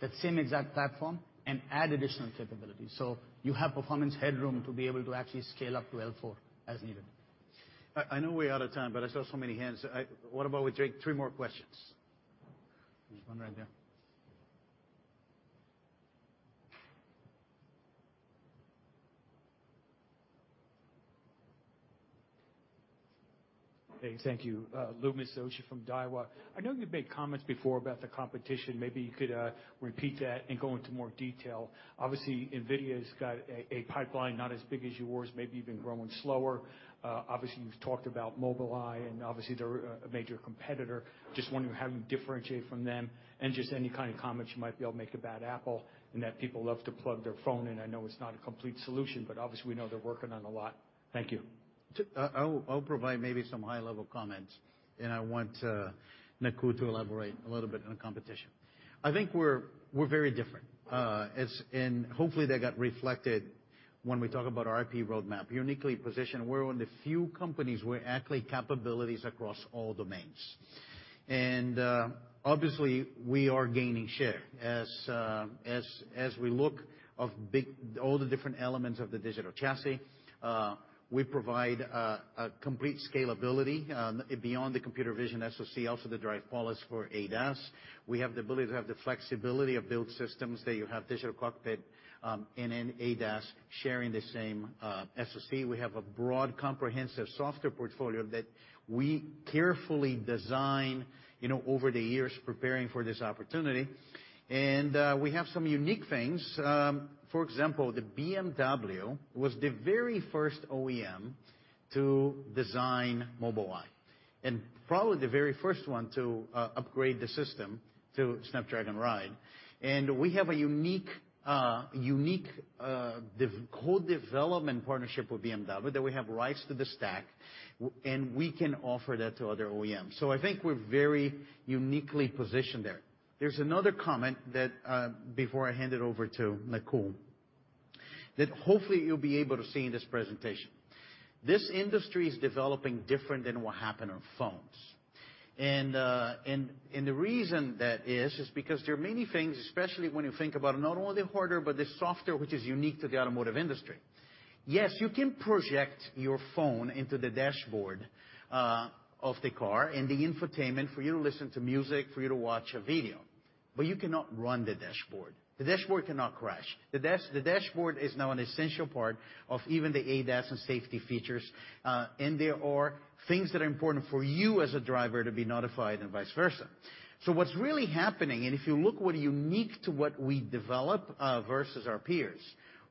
that same exact platform and add additional capabilities. You have performance headroom to be able to actually scale up to L4 as needed. I know we're out of time, but I saw so many hands. What about we take three more questions? There's one right there. Okay. Thank you. Louis Miscioscia from Daiwa. I know you've made comments before about the competition. Maybe you could repeat that and go into more detail. Obviously, NVIDIA's got a pipeline not as big as yours, maybe even growing slower. Obviously, you've talked about Mobileye, and obviously they're a major competitor. Just wondering how you differentiate from them and just any kind of comments you might be able to make about Apple, and that people love to plug their phone in. I know it's not a complete solution, but obviously we know they're working on a lot. Thank you. I'll provide maybe some high-level comments, and I want Nakul to elaborate a little bit on competition. I think we're very different, as in hopefully that got reflected when we talk about our IP roadmap. Uniquely positioned, we're one of the few companies with actually capabilities across all domains. Obviously, we are gaining share. As we look at all the different elements of the digital chassis, we provide a complete scalability, beyond the computer vision SoC, also the drive policy for ADAS. We have the ability to have the flexibility of build systems, that you have digital cockpit, and then ADAS sharing the same SoC. We have a broad, comprehensive software portfolio that we carefully design, you know, over the years preparing for this opportunity. We have some unique things. For example, the BMW was the very first OEM to design Mobileye, and probably the very first one to upgrade the system to Snapdragon Ride. We have a unique co-development partnership with BMW that we have rights to the stack, and we can offer that to other OEMs. I think we're very uniquely positioned there. There's another comment that, before I hand it over to Nakul, that hopefully you'll be able to see in this presentation. This industry is developing different than what happened on phones. The reason that is because there are many things, especially when you think about not only the hardware, but the software, which is unique to the automotive industry. Yes, you can project your phone into the dashboard, of the car and the infotainment for you to listen to music, for you to watch a video, but you cannot run the dashboard. The dashboard cannot crash. The dashboard is now an essential part of even the ADAS and safety features. There are things that are important for you as a driver to be notified and vice versa. What's really happening, and if you look what are unique to what we develop, versus our peers,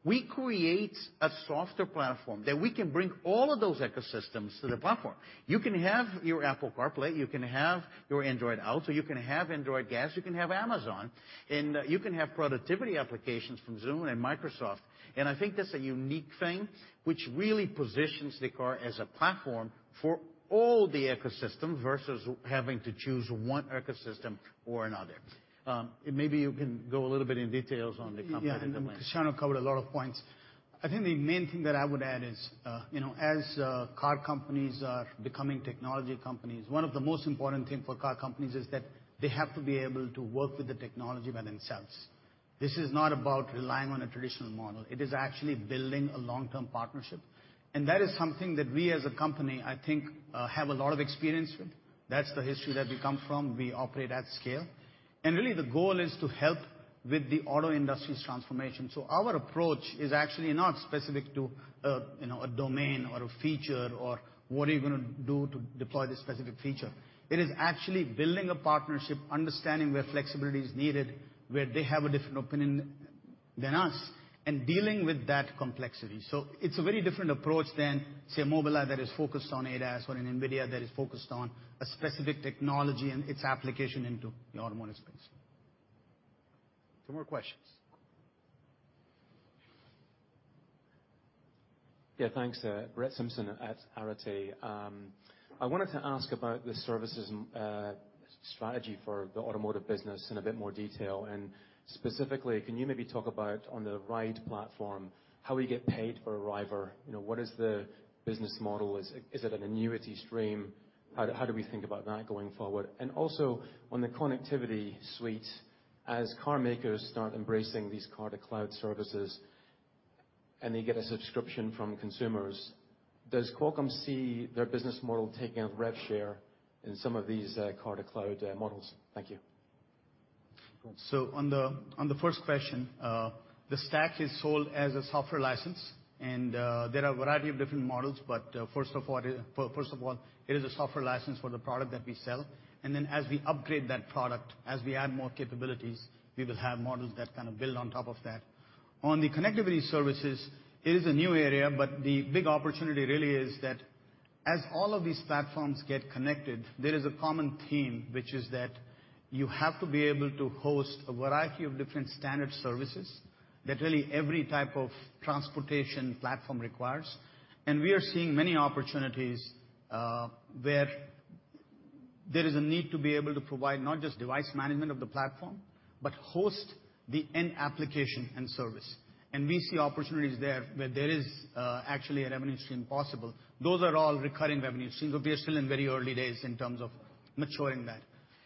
we create a software platform that we can bring all of those ecosystems to the platform. You can have your Apple CarPlay, you can have your Android Auto, you can have Android AAOS, you can have Amazon, and you can have productivity applications from Zoom and Microsoft. I think that's a unique thing which really positions the car as a platform for all the ecosystem versus having to choose one ecosystem or another. Maybe you can go a little bit into details on the competitive landscape. Yeah. Cristiano covered a lot of points. I think the main thing that I would add is, you know, as car companies are becoming technology companies, one of the most important thing for car companies is that they have to be able to work with the technology by themselves. This is not about relying on a traditional model. It is actually building a long-term partnership. That is something that we, as a company, I think, have a lot of experience with. That's the history that we come from. We operate at scale. Really the goal is to help with the auto industry's transformation. Our approach is actually not specific to, you know, a domain or a feature, or what are you gonna do to deploy this specific feature. It is actually building a partnership, understanding where flexibility is needed, where they have a different opinion than us, and dealing with that complexity. It's a very different approach than, say, Mobileye that is focused on ADAS or an NVIDIA that is focused on a specific technology and its application into the automotive space. Two more questions. Yeah, thanks. Brett Simpson at Arete. I wanted to ask about the services and strategy for the automotive business in a bit more detail. Specifically, can you maybe talk about on the Ride platform, how we get paid for a Ride? You know, what is the business model? Is it an annuity stream? How do we think about that going forward? Also, on the connectivity suite, as car makers start embracing these car-to-cloud services, and they get a subscription from consumers, does Qualcomm see their business model taking a rev share in some of these car-to-cloud models? Thank you. Go on. On the first question, the stack is sold as a software license, and there are a variety of different models. First of all, it is a software license for the product that we sell. Then as we upgrade that product, as we add more capabilities, we will have models that kind of build on top of that. On the connectivity services, it is a new area, but the big opportunity really is that as all of these platforms get connected, there is a common theme, which is that you have to be able to host a variety of different standard services that really every type of transportation platform requires. We are seeing many opportunities where there is a need to be able to provide not just device management of the platform, but host the end application and service. We see opportunities there where there is actually a revenue stream possible. Those are all recurring revenues. We are still in very early days in terms of maturing that.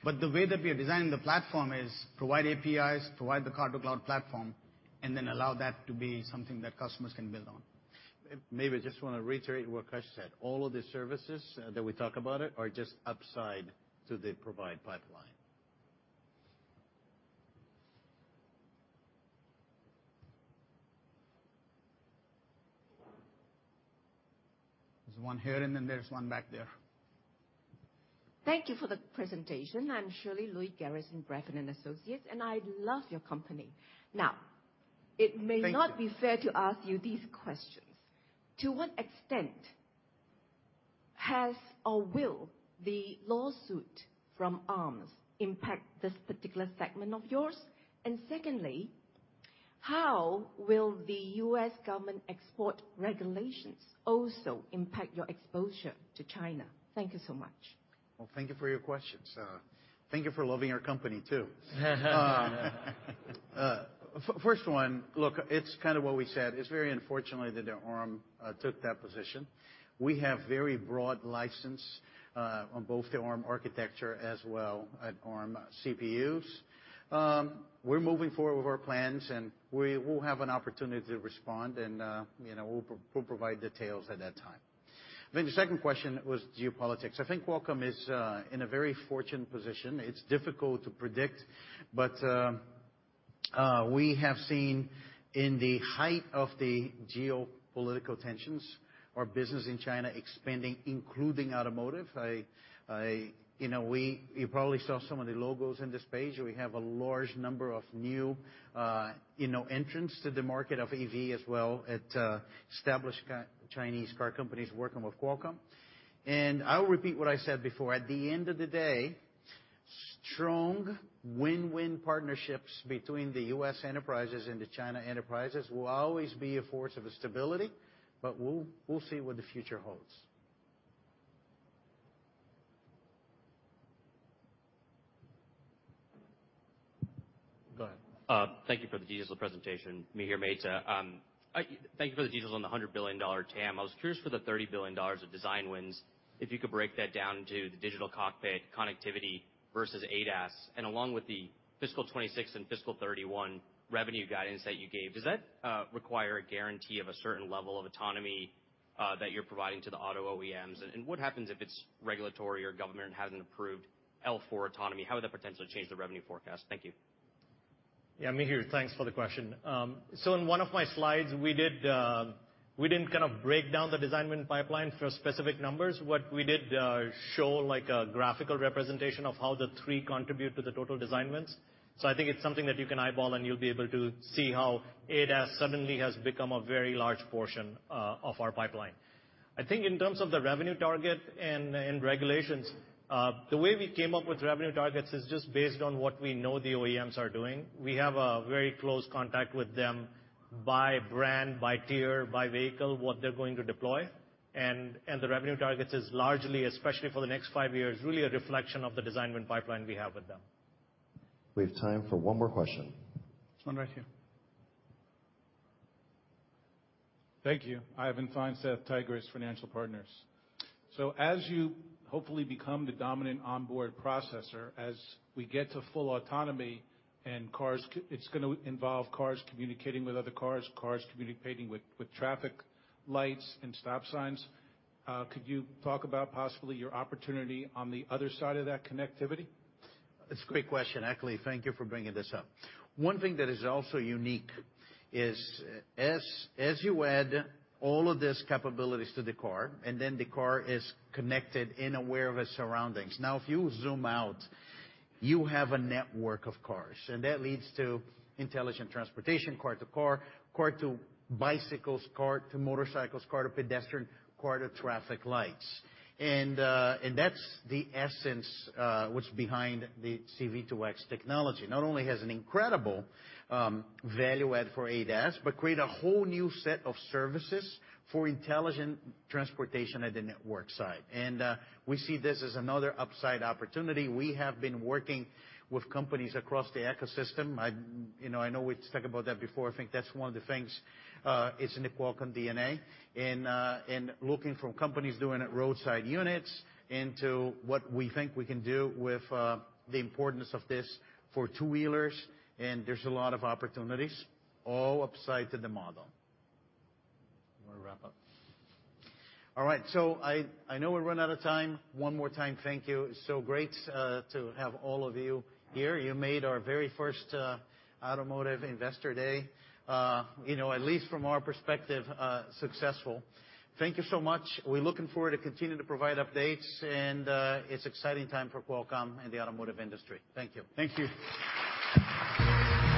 The way that we are designing the platform is provide APIs, provide the Car-to-Cloud platform, and then allow that to be something that customers can build on. Maybe I just wanna reiterate what Kash said. All of the services that we talk about are just upside to the provided pipeline. There's one here and then there's one back there. Thank you for the presentation. I'm Sherli Looi, Garrison, Bradford & Associates, and I love your company. Now Thank you. It may not be fair to ask you these questions. To what extent has or will the lawsuit from Arm impact this particular segment of yours? Secondly, how will the U.S. government export regulations also impact your exposure to China? Thank you so much. Well, thank you for your questions. Thank you for loving our company too. First one, look, it's kind of what we said. It's very unfortunate that the Arm took that position. We have very broad license on both the Arm architecture as well as Arm CPUs. We're moving forward with our plans, and we will have an opportunity to respond and, you know, we'll provide details at that time. I think the second question was geopolitics. I think Qualcomm is in a very fortunate position. It's difficult to predict, but we have seen in the height of the geopolitical tensions, our business in China expanding, including automotive. You know, you probably saw some of the logos on this page. We have a large number of new entrants to the market of EV as well as established Chinese car companies working with Qualcomm. I'll repeat what I said before. At the end of the day, strong win-win partnerships between the U.S. enterprises and the Chinese enterprises will always be a force of stability, but we'll see what the future holds. Go ahead. Thank you for the details of the presentation. Mihir Mehta. Thank you for the details on the $100 billion TAM. I was curious for the $30 billion of design wins, if you could break that down into the digital cockpit connectivity versus ADAS. Along with the fiscal 2026 and fiscal 2031 revenue guidance that you gave, does that require a guarantee of a certain level of autonomy that you're providing to the auto OEMs? What happens if it's regulatory or government hasn't approved L4 autonomy? How would that potentially change the revenue forecast? Thank you. Yeah, Mihir, thanks for the question. In one of my slides, we did, we didn't kind of break down the design win pipeline for specific numbers. What we did show, like a graphical representation of how the three contribute to the total design wins. I think it's something that you can eyeball, and you'll be able to see how ADAS suddenly has become a very large portion of our pipeline. I think in terms of the revenue target and regulations, the way we came up with revenue targets is just based on what we know the OEMs are doing. We have a very close contact with them by brand, by tier, by vehicle, what they're going to deploy. The revenue targets is largely, especially for the next five years, really a reflection of the design win pipeline we have with them. We have time for one more question. One right here. Thank you. Ivan Feinseth, Tigress Financial Partners. As you hopefully become the dominant onboard processor, as we get to full autonomy, it's gonna involve cars communicating with other cars communicating with traffic lights and stop signs. Could you talk about possibly your opportunity on the other side of that connectivity? It's a great question, actually. Thank you for bringing this up. One thing that is also unique is as you add all of these capabilities to the car, and then the car is connected and aware of its surroundings. Now, if you zoom out, you have a network of cars, and that leads to intelligent transportation, car-to-car-to-bicycles, car-to-motorcycles, car to pedestrian, car to traffic lights. That's the essence, what's behind the C-V2X technology. Not only has an incredible value add for ADAS, but create a whole new set of services for intelligent transportation at the network side. We see this as another upside opportunity. We have been working with companies across the ecosystem. You know, I know we've talked about that before. I think that's one of the things, it's in the Qualcomm DNA. Looking from companies doing roadside units into what we think we can do with, the importance of this for two-wheelers, and there's a lot of opportunities all upside to the model. You wanna wrap up? All right, I know we've run out of time. One more time, thank you. It's so great to have all of you here. You made our very first Automotive Investor Day, you know, at least from our perspective, successful. Thank you so much. We're looking forward to continue to provide updates, and it's exciting time for Qualcomm and the automotive industry. Thank you. Thank you.